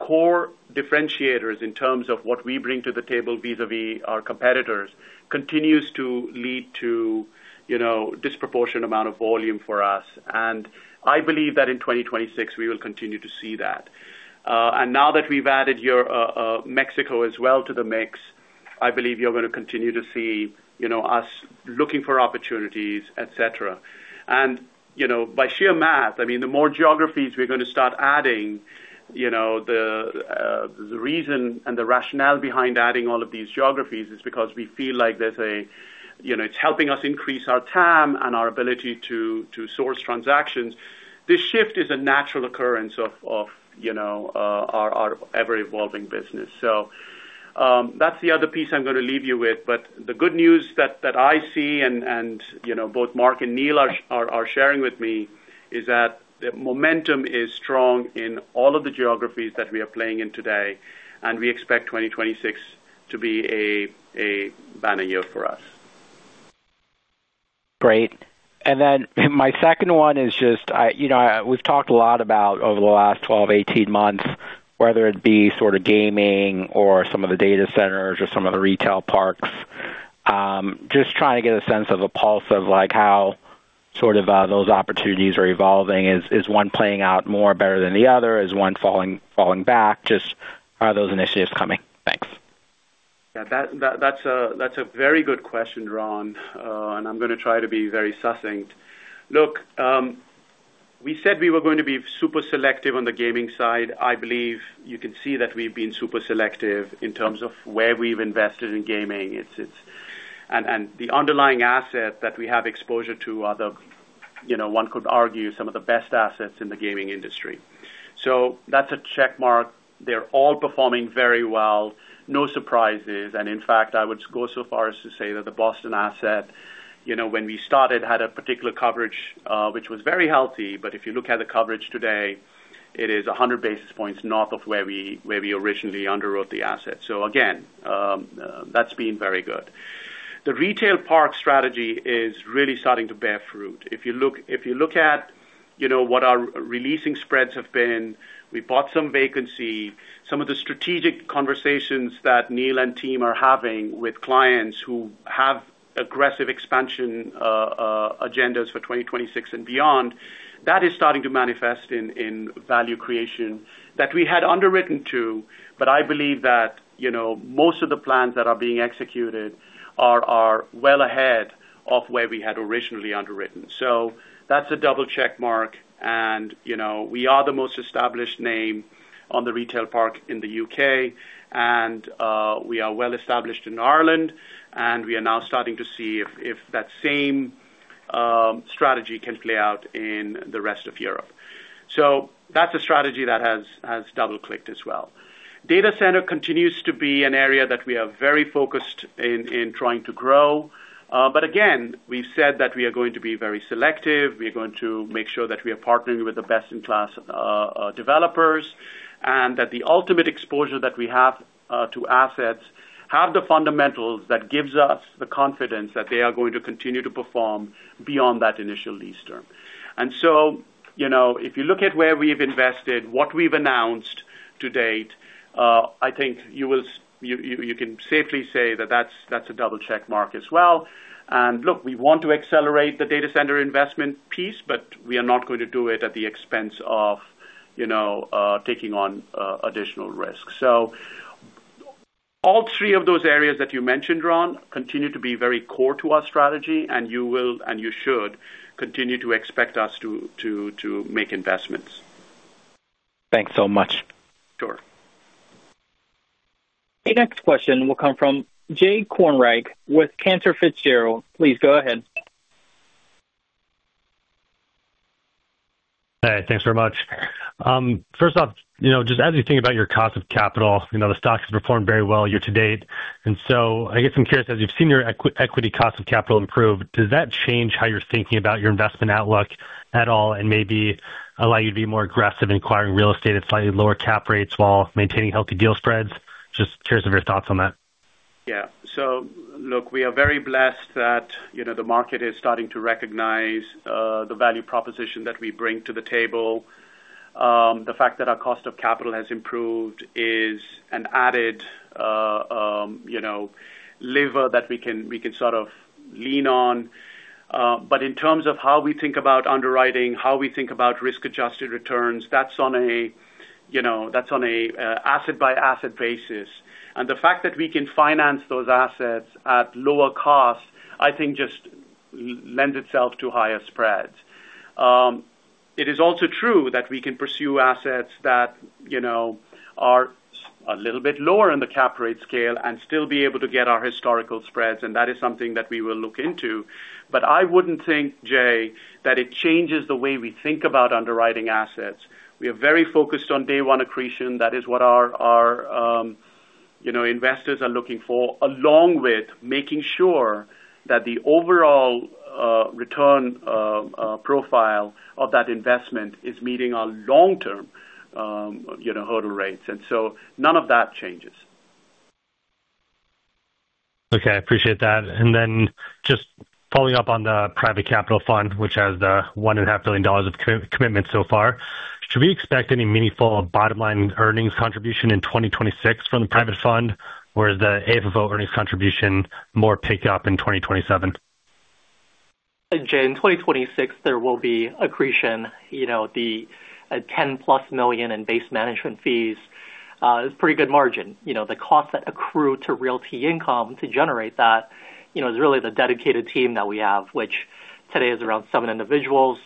core differentiators in terms of what we bring to the table vis-a-vis our competitors, continues to lead to, you know, disproportionate amount of volume for us. I believe that in 2026 we will continue to see that. Now that we've added your Mexico as well to the mix, I believe you're gonna continue to see, you know, us looking for opportunities, et cetera. You know, by sheer math, I mean, the more geographies we're gonna start adding, you know, the reason and the rationale behind adding all of these geographies is because we feel like there's a, you know, it's helping us increase our TAM and our ability to source transactions. This shift is a natural occurrence of, you know, our ever-evolving business. That's the other piece I'm gonna leave you with. The good news that I see and, you know, both Mark Hagan and Neil are sharing with me, is that the momentum is strong in all of the geographies that we are playing in today. We expect 2026 to be a banner year for us. Great. My second one is just, you know, we've talked a lot about over the last 12, 18 months, whether it be sort of gaming or some of the data centers or some of the retail parks. Just trying to get a sense of a pulse of, like, how sort of those opportunities are evolving. Is one playing out more better than the other? Is one falling back? Just how are those initiatives coming? Thanks. That's a very good question, Ron, and I'm gonna try to be very succinct. Look, we said we were going to be super selective on the gaming side. I believe you can see that we've been super selective in terms of where we've invested in gaming. It's the underlying asset that we have exposure to are the, you know, one could argue, some of the best assets in the gaming industry. That's a check mark. They're all performing very well. No surprises. In fact, I would go so far as to say that the Boston asset, you know, when we started, had a particular coverage, which was very healthy, but if you look at the coverage today, it is 100 basis points north of where we originally underwrote the asset. Again, that's been very good. The retail park strategy is really starting to bear fruit. If you look at, you know, what our releasing spreads have been, we bought some vacancy. Some of the strategic conversations that Neil and team are having with clients who have aggressive expansion agendas for 2026 and beyond, that is starting to manifest in value creation that we had underwritten to. I believe that, you know, most of the plans that are being executed are well ahead of where we had originally underwritten. That's a double check mark, and, you know, we are the most established name on the retail park in the U.K., and we are well established in Ireland, and we are now starting to see if that same strategy can play out in the rest of Europe. That's a strategy that has double-clicked as well. Data center continues to be an area that we are very focused in trying to grow. Again, we've said that we are going to be very selective. We are going to make sure that we are partnering with the best-in-class developers, and that the ultimate exposure that we have to assets have the fundamentals that gives us the confidence that they are going to continue to perform beyond that initial lease term. You know, if you look at where we've invested, what we've announced to date, I think you can safely say that that's a double check mark as well. Look, we want to accelerate the data center investment piece, but we are not going to do it at the expense of, you know, taking on additional risk. All three of those areas that you mentioned, Ron, continue to be very core to our strategy, and you will, and you should, continue to expect us to make investments. Thanks so much. Sure. The next question will come from Jay Kornreich with Cantor Fitzgerald. Please go ahead. Hey, thanks very much. First off, you know, just as you think about your cost of capital, you know, the stock has performed very well year to date. I guess I'm curious, as you've seen your equity cost of capital improve, does that change how you're thinking about your investment outlook at all, and maybe allow you to be more aggressive in acquiring real estate at slightly lower cap rates while maintaining healthy deal spreads? Just curious of your thoughts on that. Yeah. Look, we are very blessed that, you know, the market is starting to recognize the value proposition that we bring to the table. The fact that our cost of capital has improved is an added, you know, lever that we can, we can sort of lean on. In terms of how we think about underwriting, how we think about risk-adjusted returns, that's on a, you know, that's on a asset-by-asset basis. The fact that we can finance those assets at lower costs, I think just lend itself to higher spreads. It is also true that we can pursue assets that, you know, are a little bit lower in the cap rate scale and still be able to get our historical spreads, and that is something that we will look into. I wouldn't think, Jay, that it changes the way we think about underwriting assets. We are very focused on day one accretion. That is what our, you know, investors are looking for, along with making sure that the overall return profile of that investment is meeting our long-term, you know, hurdle rates. None of that changes. Okay, I appreciate that. Just following up on the private capital fund, which has the $1.5 billion of co- commitment so far, should we expect any meaningful bottom line earnings contribution in 2026 from the private fund? Or is the AFFO earnings contribution more picked up in 2027? In June 2026, there will be accretion, you know, the $10+ million in base management fees, is pretty good margin. You know, the costs that accrue to Realty Income to generate that, you know, is really the dedicated team that we have, which today is around seven individuals,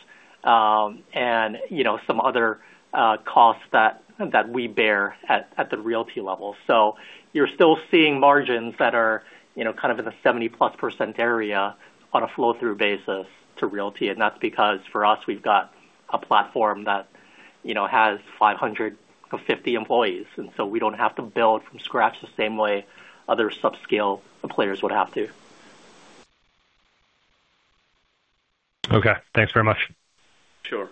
and, you know, some other costs that we bear at the Realty level. You're still seeing margins that are, you know, kind of in the 70+% area on a flow-through basis to Realty. That's because, for us, we've got a platform that, you know, has 550 employees, and so we don't have to build from scratch the same way other subscale players would have to. Okay, thanks very much. Sure.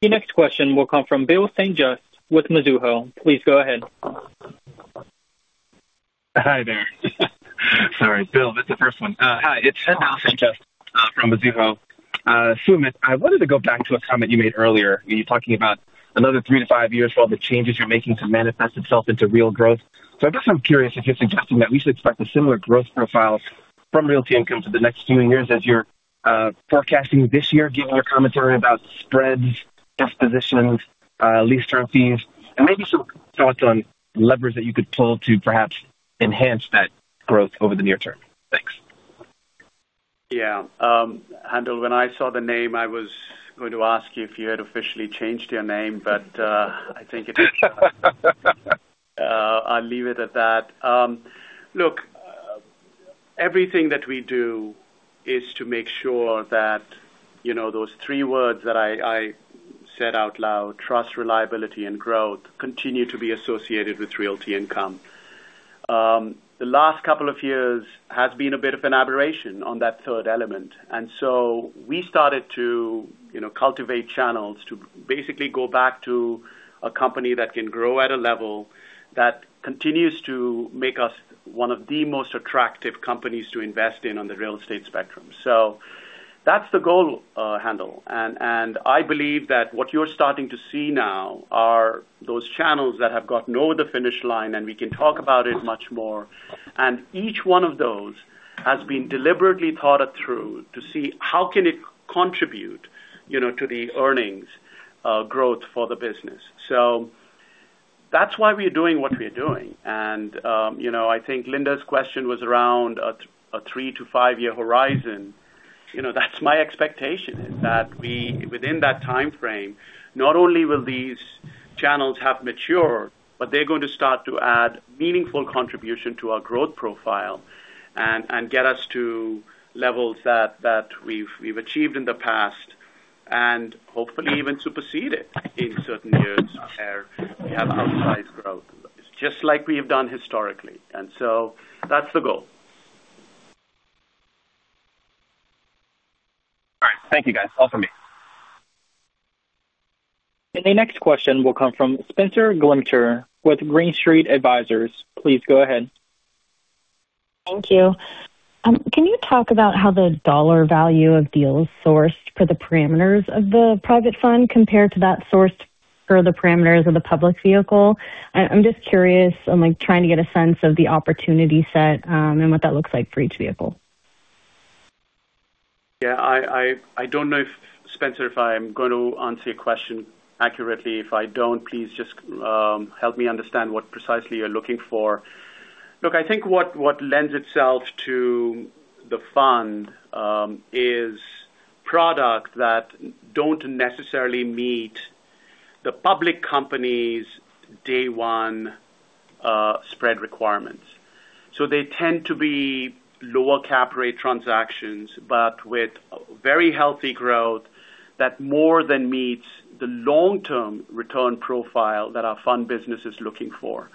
Your next question will come from Haendel St. Juste with Mizuho. Please go ahead. Hi there. Sorry, Bill, it's the first one. Hi, it's Haendel St. Juste from Mizuho. Sumit, I wanted to go back to a comment you made earlier when you were talking about another 3 to 5 years for all the changes you're making to manifest itself into real growth. I guess I'm curious if you're suggesting that we should expect a similar growth profile from Realty Income for the next few years as you're forecasting this year, given your commentary about spreads, dispositions, lease term fees, and maybe some thoughts on levers that you could pull to perhaps enhance that growth over the near term? Thanks. Yeah. Handel, when I saw the name, I was going to ask you if you had officially changed your name, but, I think it... I'll leave it at that. Look, everything that we do is to make sure that, you know, those three words that I said out loud, trust, reliability, and growth, continue to be associated with Realty Income. The last couple of years has been a bit of an aberration on that third element. We started to, you know, cultivate channels to basically go back to a company that can grow at a level that continues to make us one of the most attractive companies to invest in on the real estate spectrum. That's the goal, Handel, and I believe that what you're starting to see now are those channels that have got no other finish line, and we can talk about it much more. Each one of those has been deliberately thought through to see how can it contribute, you know, to the earnings growth for the business. That's why we are doing what we are doing. I think Linda's question was around a 3 to 5-year horizon. You know, that's my expectation, is that we, within that time frame, not only will these channels have matured, but they're going to start to add meaningful contribution to our growth profile and get us to levels that we've achieved in the past and hopefully even supersede it in certain years where we have outsized growth, just like we have done historically. That's the goal. All right. Thank you, guys. All for me. The next question will come from Spenser Glimcher with Green Street Advisors. Please go ahead. Thank you. Can you talk about how the dollar value of deals sourced for the parameters of the private fund compare to that sourced for the parameters of the public vehicle? I'm just curious. I'm, like, trying to get a sense of the opportunity set, and what that looks like for each vehicle. Yeah, I don't know if, Spenser, if I'm going to answer your question accurately. If I don't, please just help me understand what precisely you're looking for. Look, I think what lends itself to the fund is product that don't necessarily meet the public company's day one spread requirements. They tend to be lower cap rate transactions, but with very healthy growth that more than meets the long-term return profile that our fund business is looking for.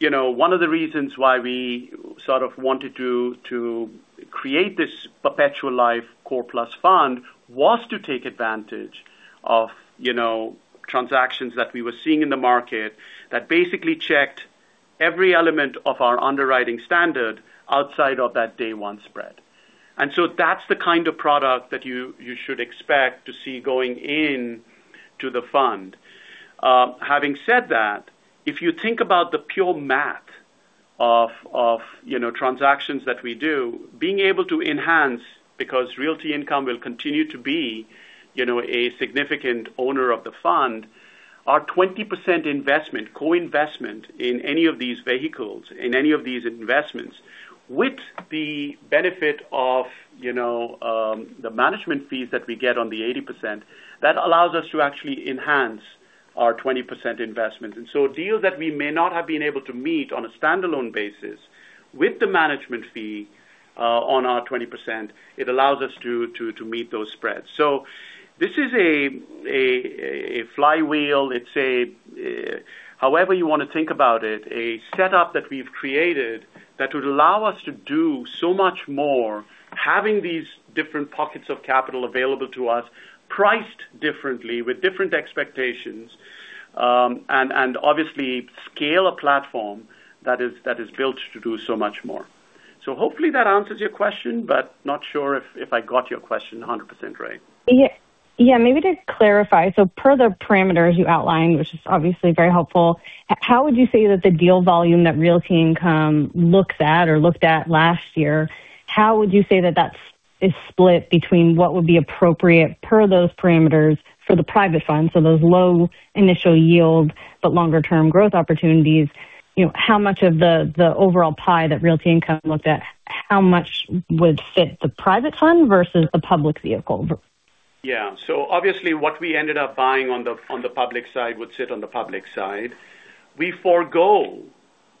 You know, one of the reasons why we sort of wanted to create this perpetual life core plus fund was to take advantage of, you know, transactions that we were seeing in the market that basically checked every element of our underwriting standard outside of that day one spread. That's the kind of product that you should expect to see going in to the fund. Having said that, if you think about the pure math of, you know, transactions that we do, being able to enhance, because Realty Income will continue to be, you know, a significant owner of the fund, our 20% investment, co-investment in any of these vehicles, in any of these investments, with the benefit of, you know, the management fees that we get on the 80%, that allows us to actually enhance our 20% investment. Deals that we may not have been able to meet on a standalone basis with the management fee, on our 20%, it allows us to meet those spreads. This is a flywheel. It's a, however you want to think about it, a setup that we've created that would allow us to do so much more, having these different pockets of capital available to us, priced differently, with different expectations, and obviously scale a platform that is built to do so much more. Hopefully that answers your question, but not sure if I got your question 100% right. Yes. Maybe to clarify, per the parameters you outlined, which is obviously very helpful, how would you say that the deal volume that Realty Income looks at or looked at last year, how would you say that that is split between what would be appropriate per those parameters for the private fund? Those low initial yield, but longer term growth opportunities, you know, how much of the overall pie that Realty Income looked at, how much would fit the private fund versus a public vehicle? Yeah. Obviously, what we ended up buying on the public side would sit on the public side. We forego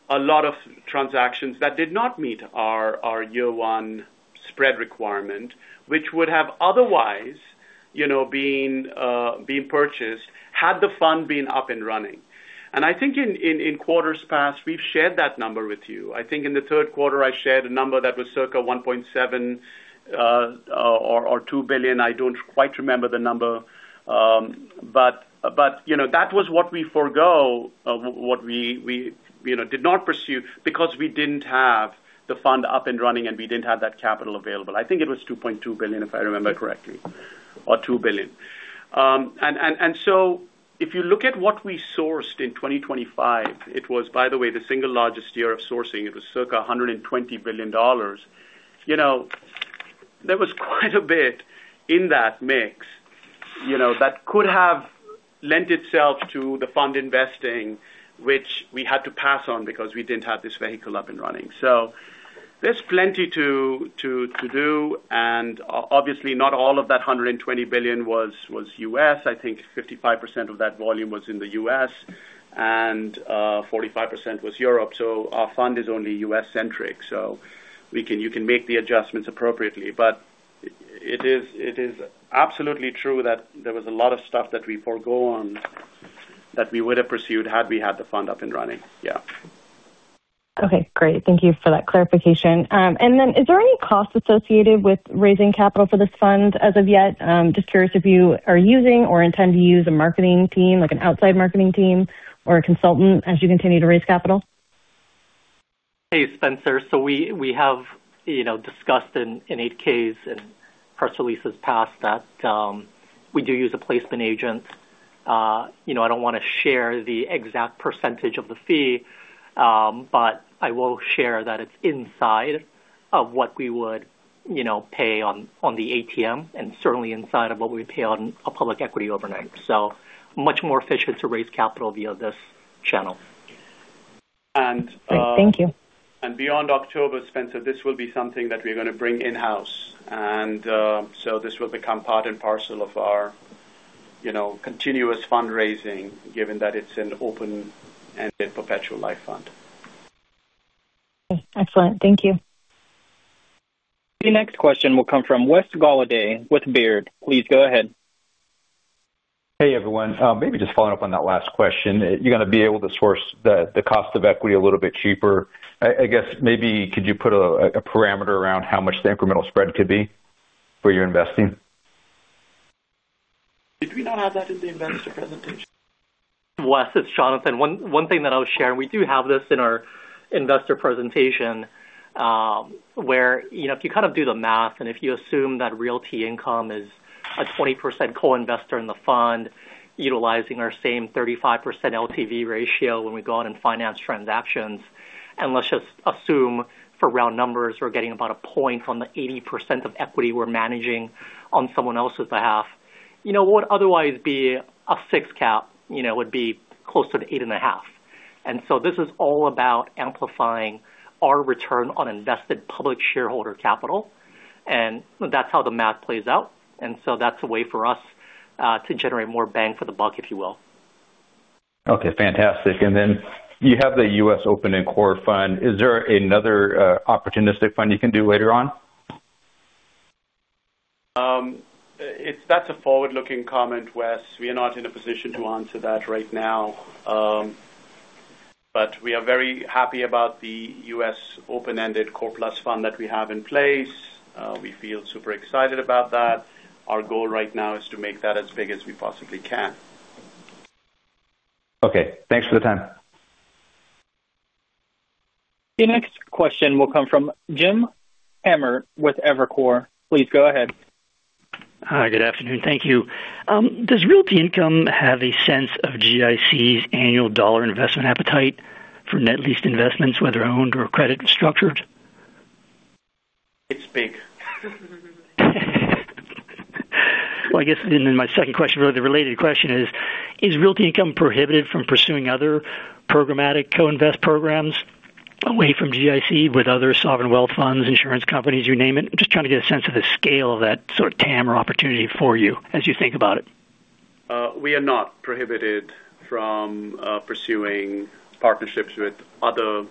a lot of transactions that did not meet our year one spread requirement, which would have otherwise, you know, been being purchased had the fund been up and running. I think in quarters past, we've shared that number with you. I think in the third quarter, I shared a number that was circa $1.7 or $2 billion. I don't quite remember the number. You know, that was what we forego, what we, you know, did not pursue because we didn't have the fund up and running, and we didn't have that capital available. I think it was $2.2 billion, if I remember correctly, or $2 billion. If you look at what we sourced in 2025, it was, by the way, the single largest year of sourcing. It was circa $120 billion. You know, there was quite a bit in that mix, you know, that could have lent itself to the fund investing, which we had to pass on because we didn't have this vehicle up and running. There's plenty to do, and obviously, not all of that $120 billion was US. I think 55% of that volume was in the U.S. and 45% was Europe. Our fund is only U.S.-centric, so you can make the adjustments appropriately. It is absolutely true that there was a lot of stuff that we forego on, that we would have pursued had we had the fund up and running. Yeah. Okay, great. Thank you for that clarification. Is there any cost associated with raising capital for this fund as of yet? Just curious if you are using or intend to use a marketing team, like an outside marketing team or a consultant, as you continue to raise capital. Hey, Spenser. We have, you know, discussed in 8-Ks and press releases past that, we do use a placement agent. you know, I don't wanna share the exact % of the fee, but I will share that it's inside of what we would, you know, pay on the ATM and certainly inside of what we pay on a public equity overnight. Much more efficient to raise capital via this channel. Thank you. Beyond October, Spencer, this will be something that we're gonna bring in-house. This will become part and parcel of our, you know, continuous fundraising, given that it's an open-ended perpetual life fund. Excellent. Thank you. The next question will come from Wes Golladay with Baird. Please go ahead. Hey, everyone. Maybe just following up on that last question. You're gonna be able to source the cost of equity a little bit cheaper. I guess maybe could you put a parameter around how much the incremental spread could be for your investing? Did we not have that in the investor presentation? Wes, it's Jonathan. One thing that I'll share, we do have this in our investor presentation, where, you know, if you kind of do the math and if you assume that Realty Income is a 20% co-investor in the fund, utilizing our same 35% LTV ratio when we go out and finance transactions, let's just assume for round numbers, we're getting about a point on the 80% of equity we're managing on someone else's behalf. You know, what would otherwise be a 6 cap, you know, would be close to the 8.5. This is all about amplifying our return on invested public shareholder capital, and that's how the math plays out. That's a way for us to generate more bang for the buck, if you will. Okay, fantastic. You have the U.S. open-end Core Plus fund. Is there another opportunistic fund you can do later on? That's a forward-looking comment, Wes. We are not in a position to answer that right now, but we are very happy about the U.S. open-ended Core Plus fund that we have in place. We feel super excited about that. Our goal right now is to make that as big as we possibly can. Okay, thanks for the time. The next question will come from James Emmer with Evercore ISI. Please go ahead. Hi, good afternoon. Thank you. Does Realty Income have a sense of GIC's annual dollar investment appetite for net lease investments, whether owned or credit structured? It's big. Well, I guess then my second question, or the related question is Realty Income prohibited from pursuing other programmatic co-invest programs away from GIC with other sovereign wealth funds, insurance companies, you name it? I'm just trying to get a sense of the scale of that sort of TAM or opportunity for you as you think about it. We are not prohibited from pursuing partnerships with other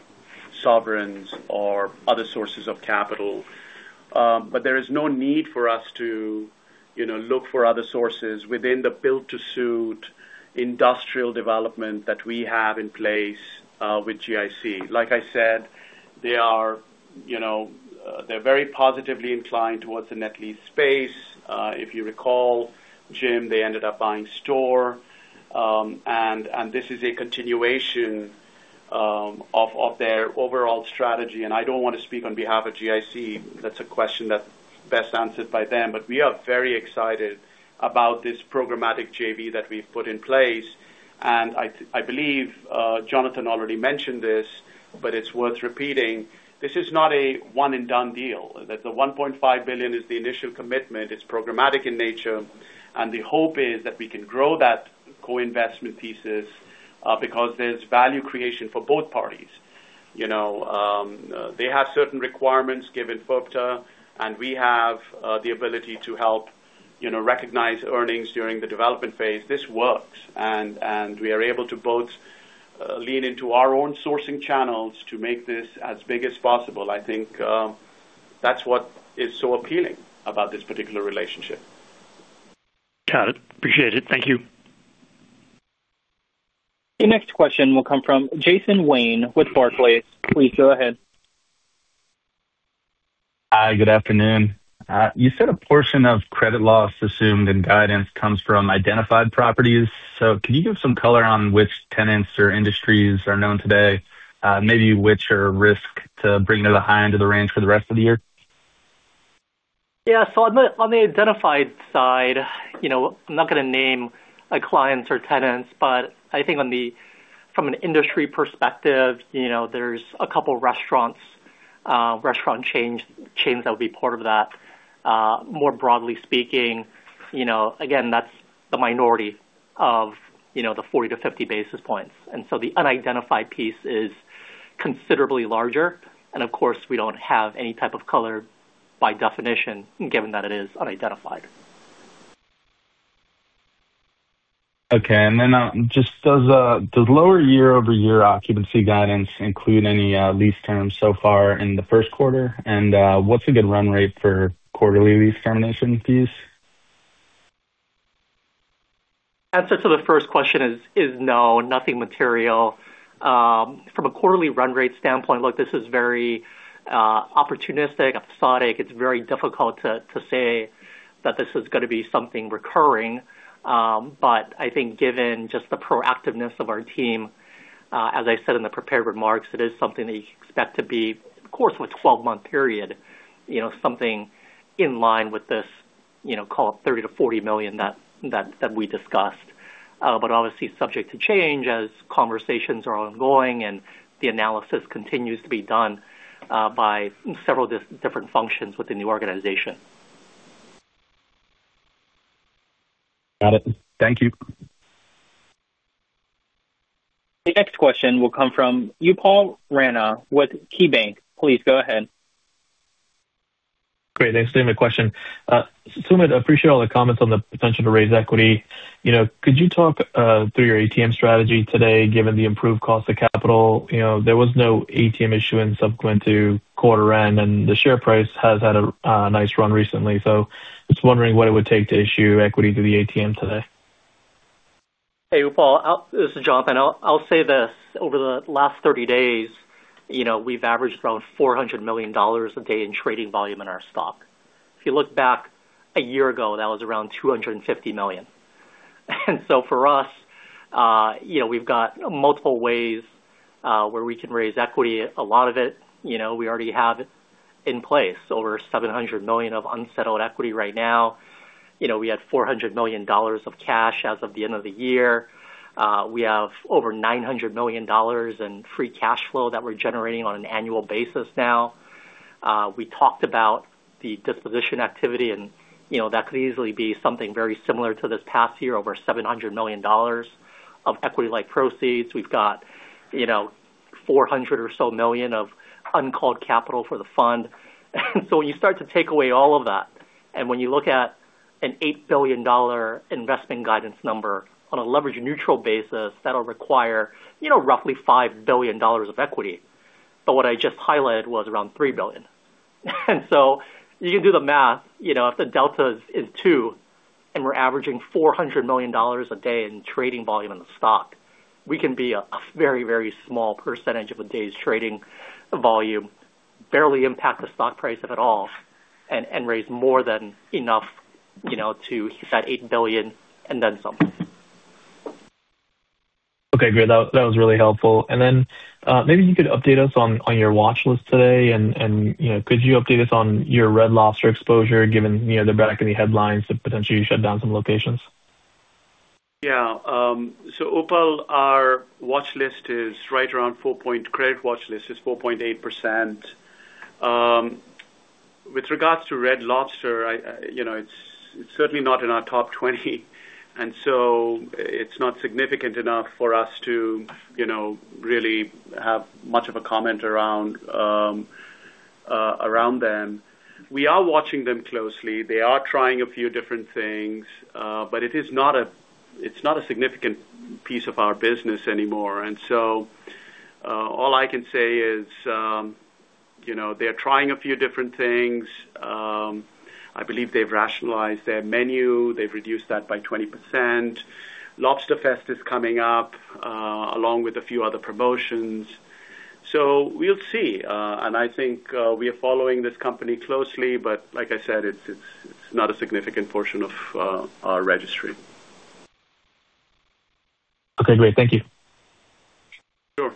sovereigns or other sources of capital. There is no need for us to, you know, look for other sources within the build to suit industrial development that we have in place with GIC. Like I said, they are, you know, they're very positively inclined towards the net lease space. If you recall, Jim, they ended up buying STORE, and this is a continuation-... of their overall strategy. I don't want to speak on behalf of GIC. That's a question that's best answered by them. We are very excited about this programmatic JV that we've put in place. I believe Jonathan already mentioned this, but it's worth repeating. This is not a one-and-done deal. The $1.5 billion is the initial commitment, it's programmatic in nature, and the hope is that we can grow that co-investment pieces because there's value creation for both parties. You know, they have certain requirements given FIRPTA, and we have the ability to help, you know, recognize earnings during the development phase. This works, and we are able to both lean into our own sourcing channels to make this as big as possible. I think, that's what is so appealing about this particular relationship. Got it. Appreciate it. Thank you. Your next question will come from Jason Wayne with Barclays. Please go ahead. Hi, good afternoon. You said a portion of credit loss assumed in guidance comes from identified properties. Can you give some color on which tenants or industries are known today? Maybe which are risk to bring to the high end of the range for the rest of the year? Yeah, on the identified side, you know, I'm not gonna name clients or tenants, but I think from an industry perspective, you know, there's a couple of restaurants, restaurant chains that will be part of that. More broadly speaking, you know, again, that's the minority of, you know, the 40-50 basis points. The unidentified piece is considerably larger, and of course, we don't have any type of color by definition, given that it is unidentified. Just does lower year-over-year occupancy guidance include any lease terms so far in the first quarter? What's a good run rate for quarterly lease termination fees? Answer to the first question is no, nothing material. From a quarterly run rate standpoint, look, this is very opportunistic, episodic. It's very difficult to say that this is gonna be something recurring. I think given just the proactiveness of our team, as I said in the prepared remarks, it is something that you expect to be, of course, with 12-month period, you know, something in line with this, you know, call it $30 million-$40 million that we discussed. Obviously subject to change as conversations are ongoing and the analysis continues to be done, by several different functions within the organization. Got it. Thank you. The next question will come from Upal Rana with KeyBanc. Please go ahead. Great. Thanks. Good question. Sumit, I appreciate all the comments on the potential to raise equity. You know, could you talk through your ATM strategy today, given the improved cost of capital? You know, there was no ATM issuance subsequent to quarter end, and the share price has had a nice run recently. Just wondering what it would take to issue equity to the ATM today. Hey, Upal, this is Jonathan. I'll say this, over the last 30 days, you know, we've averaged around $400 million a day in trading volume in our stock. If you look back a year ago, that was around $250 million. For us, you know, we've got multiple ways where we can raise equity. A lot of it, you know, we already have in place, over $700 million of unsettled equity right now. You know, we had $400 million of cash as of the end of the year. We have over $900 million in free cash flow that we're generating on an annual basis now. We talked about the disposition activity, you know, that could easily be something very similar to this past year, over $700 million of equity-like proceeds. We've got, you know, $400 or so million of uncalled capital for the fund. When you start to take away all of that, and when you look at an $8 billion investment guidance number on a leverage-neutral basis, that'll require, you know, roughly $5 billion of equity. What I just highlighted was around $3 billion. You can do the math, you know, if the delta is two, and we're averaging $400 million a day in trading volume in the stock, we can be a very, very small percentage of the day's trading volume, barely impact the stock price at all, and raise more than enough, you know, to hit that $8 billion and then some. Okay, great. That was really helpful. Maybe you could update us on your watchlist today, and, you know, could you update us on your Red Lobster exposure, given, you know, the bankruptcy headlines to potentially shut down some locations? Upal, our watchlist is right around credit watchlist is 4.8%. With regards to Red Lobster, you know, it's certainly not in our top 20. It's not significant enough for us to, you know, really have much of a comment around them. We are watching them closely. They are trying a few different things, but it's not a significant piece of our business anymore. All I can say is, you know, they are trying a few different things. I believe they've rationalized their menu. They've reduced that by 20%. Lobsterfest is coming up, along with a few other promotions so we'll see. I think, we are following this company closely, but like I said, it's not a significant portion of our registry. Okay, great. Thank you. Sure.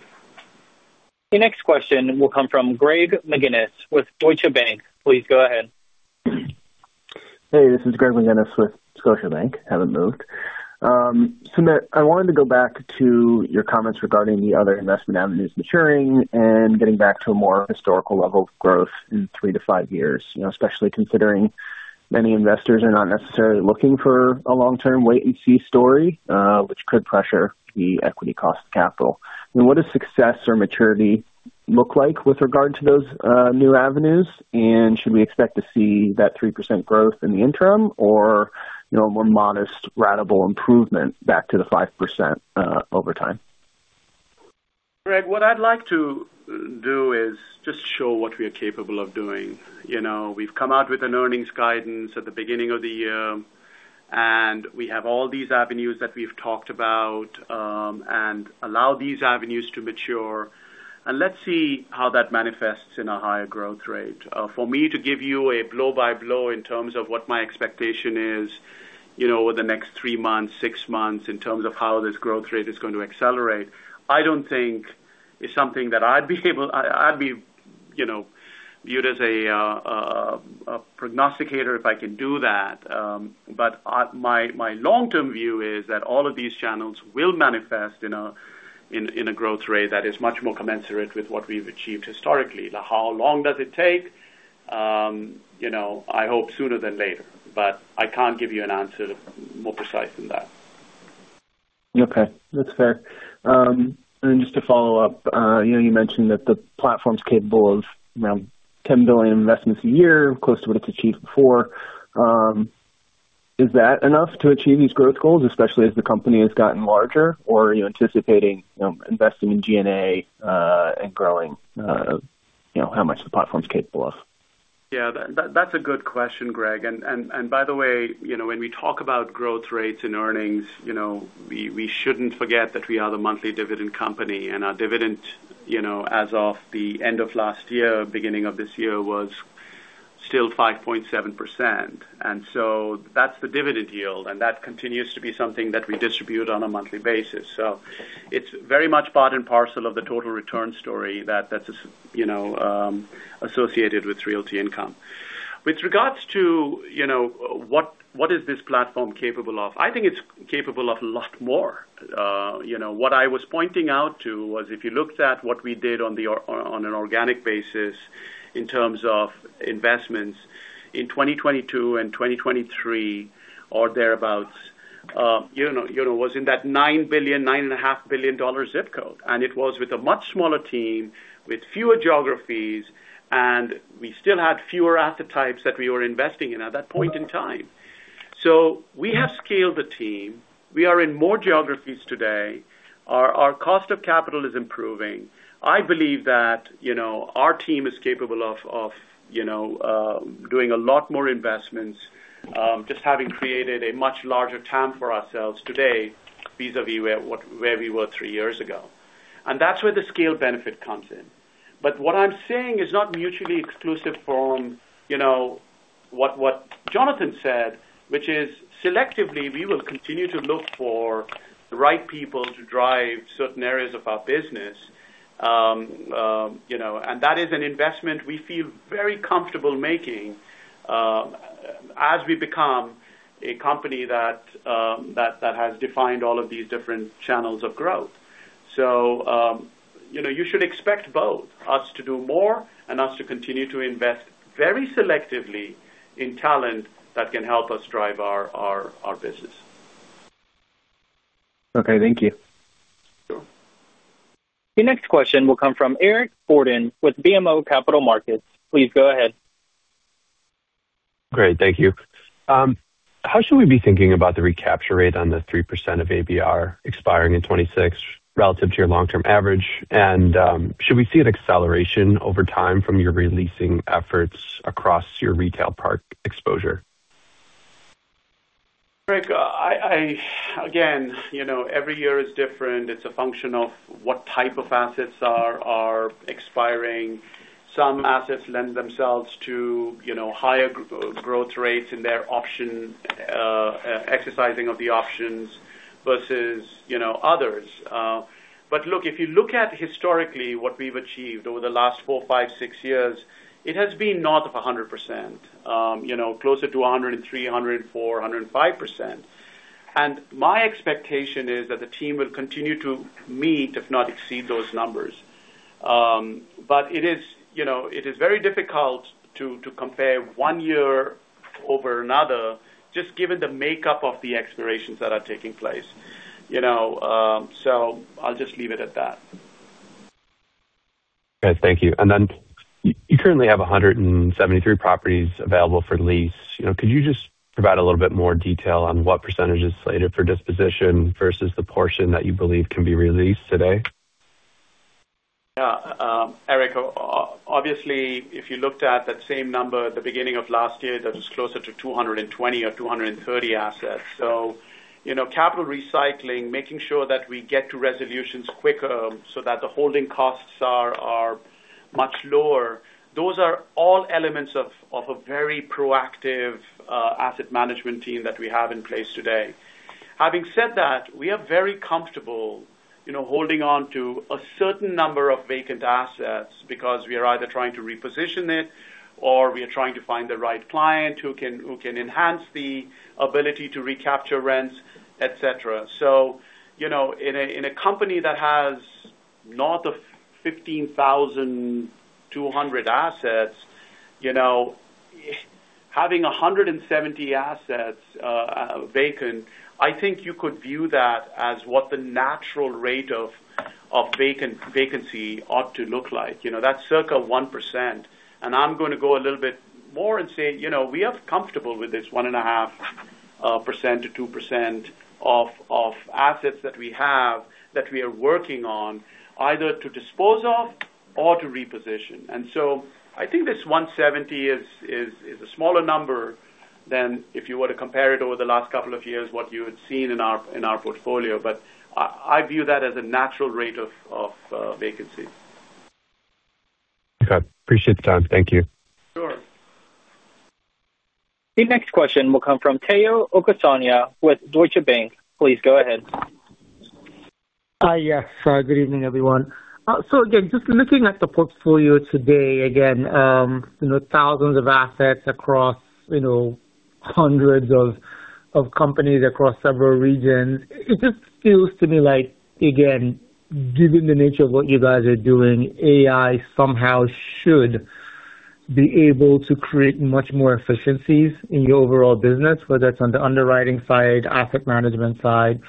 The next question will come from Greg McGinniss with Scotiabank. Please go ahead. Hey, this is Greg McGinniss with Scotiabank. Haven't moved. Sumit, I wanted to go back to your comments regarding the other investment avenues maturing and getting back to a more historical level of growth in 3-5 years, you know, especially considering many investors are not necessarily looking for a long-term wait-and-see story, which could pressure the equity cost of capital. What does success or maturity look like with regard to those new avenues? Should we expect to see that 3% growth in the interim or, you know, a more modest ratable improvement back to the 5% over time? Greg, what I'd like to do is just show what we are capable of doing. You know, we've come out with an earnings guidance at the beginning of the year, and we have all these avenues that we've talked about, and allow these avenues to mature, and let's see how that manifests in a higher growth rate. For me to give you a blow-by-blow in terms of what my expectation is, you know, over the next three months, six months, in terms of how this growth rate is going to accelerate, I don't think it's something that I'd be, you know, viewed as a prognosticator if I can do that. My long-term view is that all of these channels will manifest in a growth rate that is much more commensurate with what we've achieved historically. Now, how long does it take? You know, I hope sooner than later, but I can't give you an answer more precise than that. Okay, that's fair. Just to follow up, you know, you mentioned that the platform's capable of around $10 billion investments a year, close to what it's achieved before. Is that enough to achieve these growth goals, especially as the company has gotten larger? Are you anticipating, you know, investing in G&A and growing, you know, how much the platform's capable of? Yeah, that's a good question, Greg. By the way, you know, when we talk about growth rates and earnings, you know, we shouldn't forget that we are the monthly dividend company, and our dividend, you know, as of the end of last year, beginning of this year, was still 5.7%. That's the dividend yield, and that continues to be something that we distribute on a monthly basis. It's very much part and parcel of the total return story that is, you know, associated with Realty Income. With regards to, you know, what is this platform capable of? I think it's capable of a lot more. you know, what I was pointing out to was if you looked at what we did on an organic basis in terms of investments in 2022 and 2023 or thereabout, you know, was in that $9 billion, nine and a half billion dollar zip code, and it was with a much smaller team, with fewer geographies, and we still had fewer asset types that we were investing in at that point in time. We have scaled the team. We are in more geographies today. Our, our cost of capital is improving. I believe that, you know, our team is capable of, you know, doing a lot more investments, just having created a much larger TAM for ourselves today, vis-a-vis where we were three years ago. That's where the scale benefit comes in. What I'm saying is not mutually exclusive from, you know, what Jonathan said, which is selectively, we will continue to look for the right people to drive certain areas of our business. You know, and that is an investment we feel very comfortable making, as we become a company that has defined all of these different channels of growth. You know, you should expect both: us to do more and us to continue to invest very selectively in talent that can help us drive our business. Okay, thank you. Sure. Your next question will come from Eric Borden with BMO Capital Markets. Please go ahead. Great, thank you. How should we be thinking about the recapture rate on the 3% of ABR expiring in 2026 relative to your long-term average? Should we see an acceleration over time from your releasing efforts across your retail park exposure? Eric, I... Again, you know, every year is different. It's a function of what type of assets are expiring. Some assets lend themselves to, you know, higher growth rates in their option exercising of the options versus, you know, others. Look, if you look at historically what we've achieved over the last 4, 5, 6 years, it has been north of 100%, you know, closer to 103%, 104%, 105%. My expectation is that the team will continue to meet, if not exceed, those numbers. It is, you know, very difficult to compare one year over another, just given the makeup of the expirations that are taking place, you know, I'll just leave it at that. Okay, thank you. You currently have 173 properties available for lease. You know, could you just provide a little bit more detail on what % is slated for disposition versus the portion that you believe can be released today? Eric, obviously, if you looked at that same number at the beginning of last year, that was closer to 220 or 230 assets. You know, capital recycling, making sure that we get to resolutions quicker so that the holding costs are much lower. Those are all elements of a very proactive asset management team that we have in place today. Having said that, we are very comfortable, you know, holding on to a certain number of vacant assets because we are either trying to reposition it or we are trying to find the right client who can enhance the ability to recapture rents, et cetera. You know, in a company that has north of 15,200 assets, you know, having 170 assets vacant, I think you could view that as what the natural rate of vacancy ought to look like. You know, that's circa 1%, and I'm going to go a little bit more and say, you know, we are comfortable with this 1.5%-2% of assets that we have that we are working on, either to dispose of or to reposition. I think this 170 is, is a smaller number than if you were to compare it over the last couple of years, what you had seen in our portfolio. I view that as a natural rate of vacancy. Okay. Appreciate the time. Thank you. Sure. The next question will come from Omotayo Okusanya with Deutsche Bank. Please go ahead. Hi, yes. Good evening, everyone. Again, just looking at the portfolio today, again, you know, thousands of assets across, you know, hundreds of companies across several regions. It just feels to me like, again, given the nature of what you guys are doing, AI somehow should be able to create much more efficiencies in your overall business, whether that's on the underwriting side, asset management side.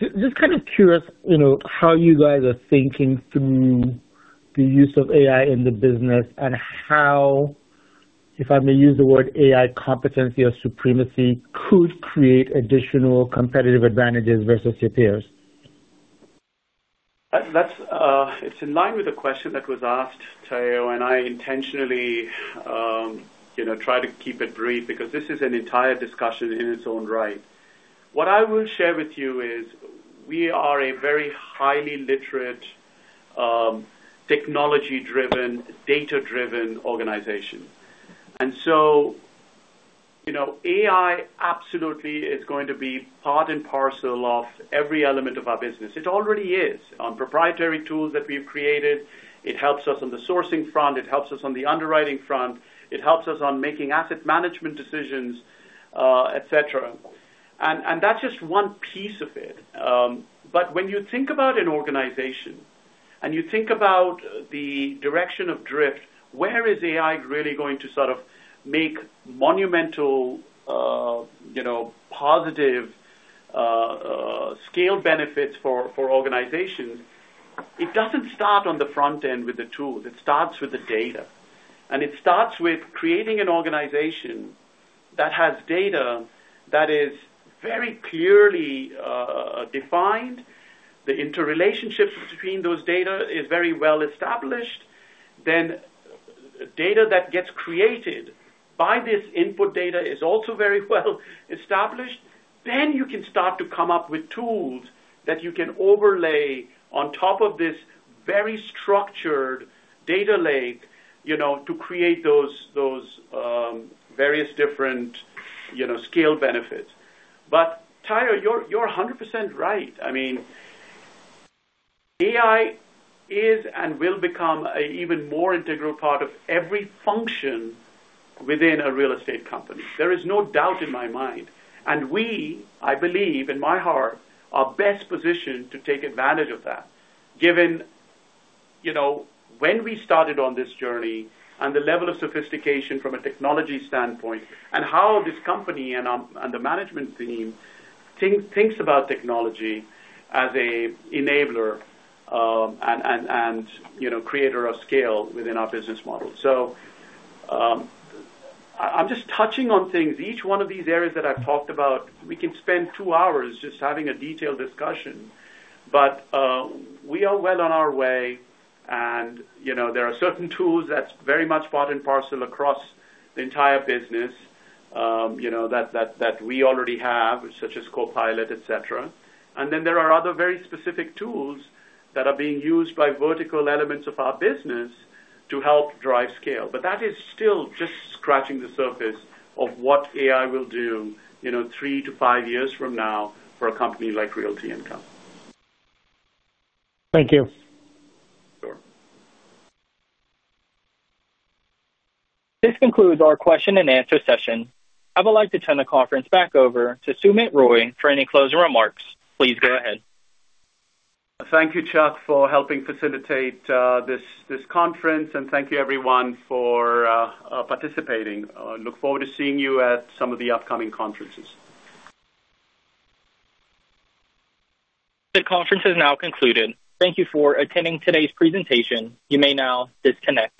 Just kind of curious, you know, how you guys are thinking through the use of AI in the business and how, if I may use the word AI competency or supremacy, could create additional competitive advantages versus your peers? That's, it's in line with the question that was asked, Omotayo, and I intentionally, you know, try to keep it brief because this is an entire discussion in its own right. What I will share with you is we are a very highly literate, technology-driven, data-driven organization. You know, AI absolutely is going to be part and parcel of every element of our business. It already is on proprietary tools that we've created. It helps us on the sourcing front, it helps us on the underwriting front, it helps us on making asset management decisions, et cetera. That's just one piece of it. When you think about an organization and you think about the direction of drift, where is AI really going to sort of make monumental, you know, positive, scale benefits for organizations? It doesn't start on the front end with the tools, it starts with the data. It starts with creating an organization that has data that is very clearly defined. The interrelationships between those data is very well established. Data that gets created by this input data is also very well established. You can start to come up with tools that you can overlay on top of this very structured data lake, you know, to create those various different, you know, scale benefits. Omotayo, you're 100% right. I mean, AI is and will become an even more integral part of every function within a real estate company. There is no doubt in my mind. We, I believe in my heart, are best positioned to take advantage of that, given, you know, when we started on this journey and the level of sophistication from a technology standpoint, and how this company and the management team thinks about technology as an enabler, and, you know, creator of scale within our business model. I'm just touching on things. Each one of these areas that I've talked about, we can spend 2 hours just having a detailed discussion, but we are well on our way, and, you know, there are certain tools that's very much part and parcel across the entire business, you know, that we already have, such as Copilot, et cetera. Then there are other very specific tools that are being used by vertical elements of our business to help drive scale. But that is still just scratching the surface of what AI will do, you know, 3 to 5 years from now for a company like Realty Income. Thank you. Sure. This concludes our question and answer session. I would like to turn the conference back over to Sumit Roy for any closing remarks. Please go ahead. Thank you, Chuck, for helping facilitate this conference, and thank you, everyone, for participating. I look forward to seeing you at some of the upcoming conferences. The conference is now concluded. Thank you for attending today's presentation. You may now disconnect.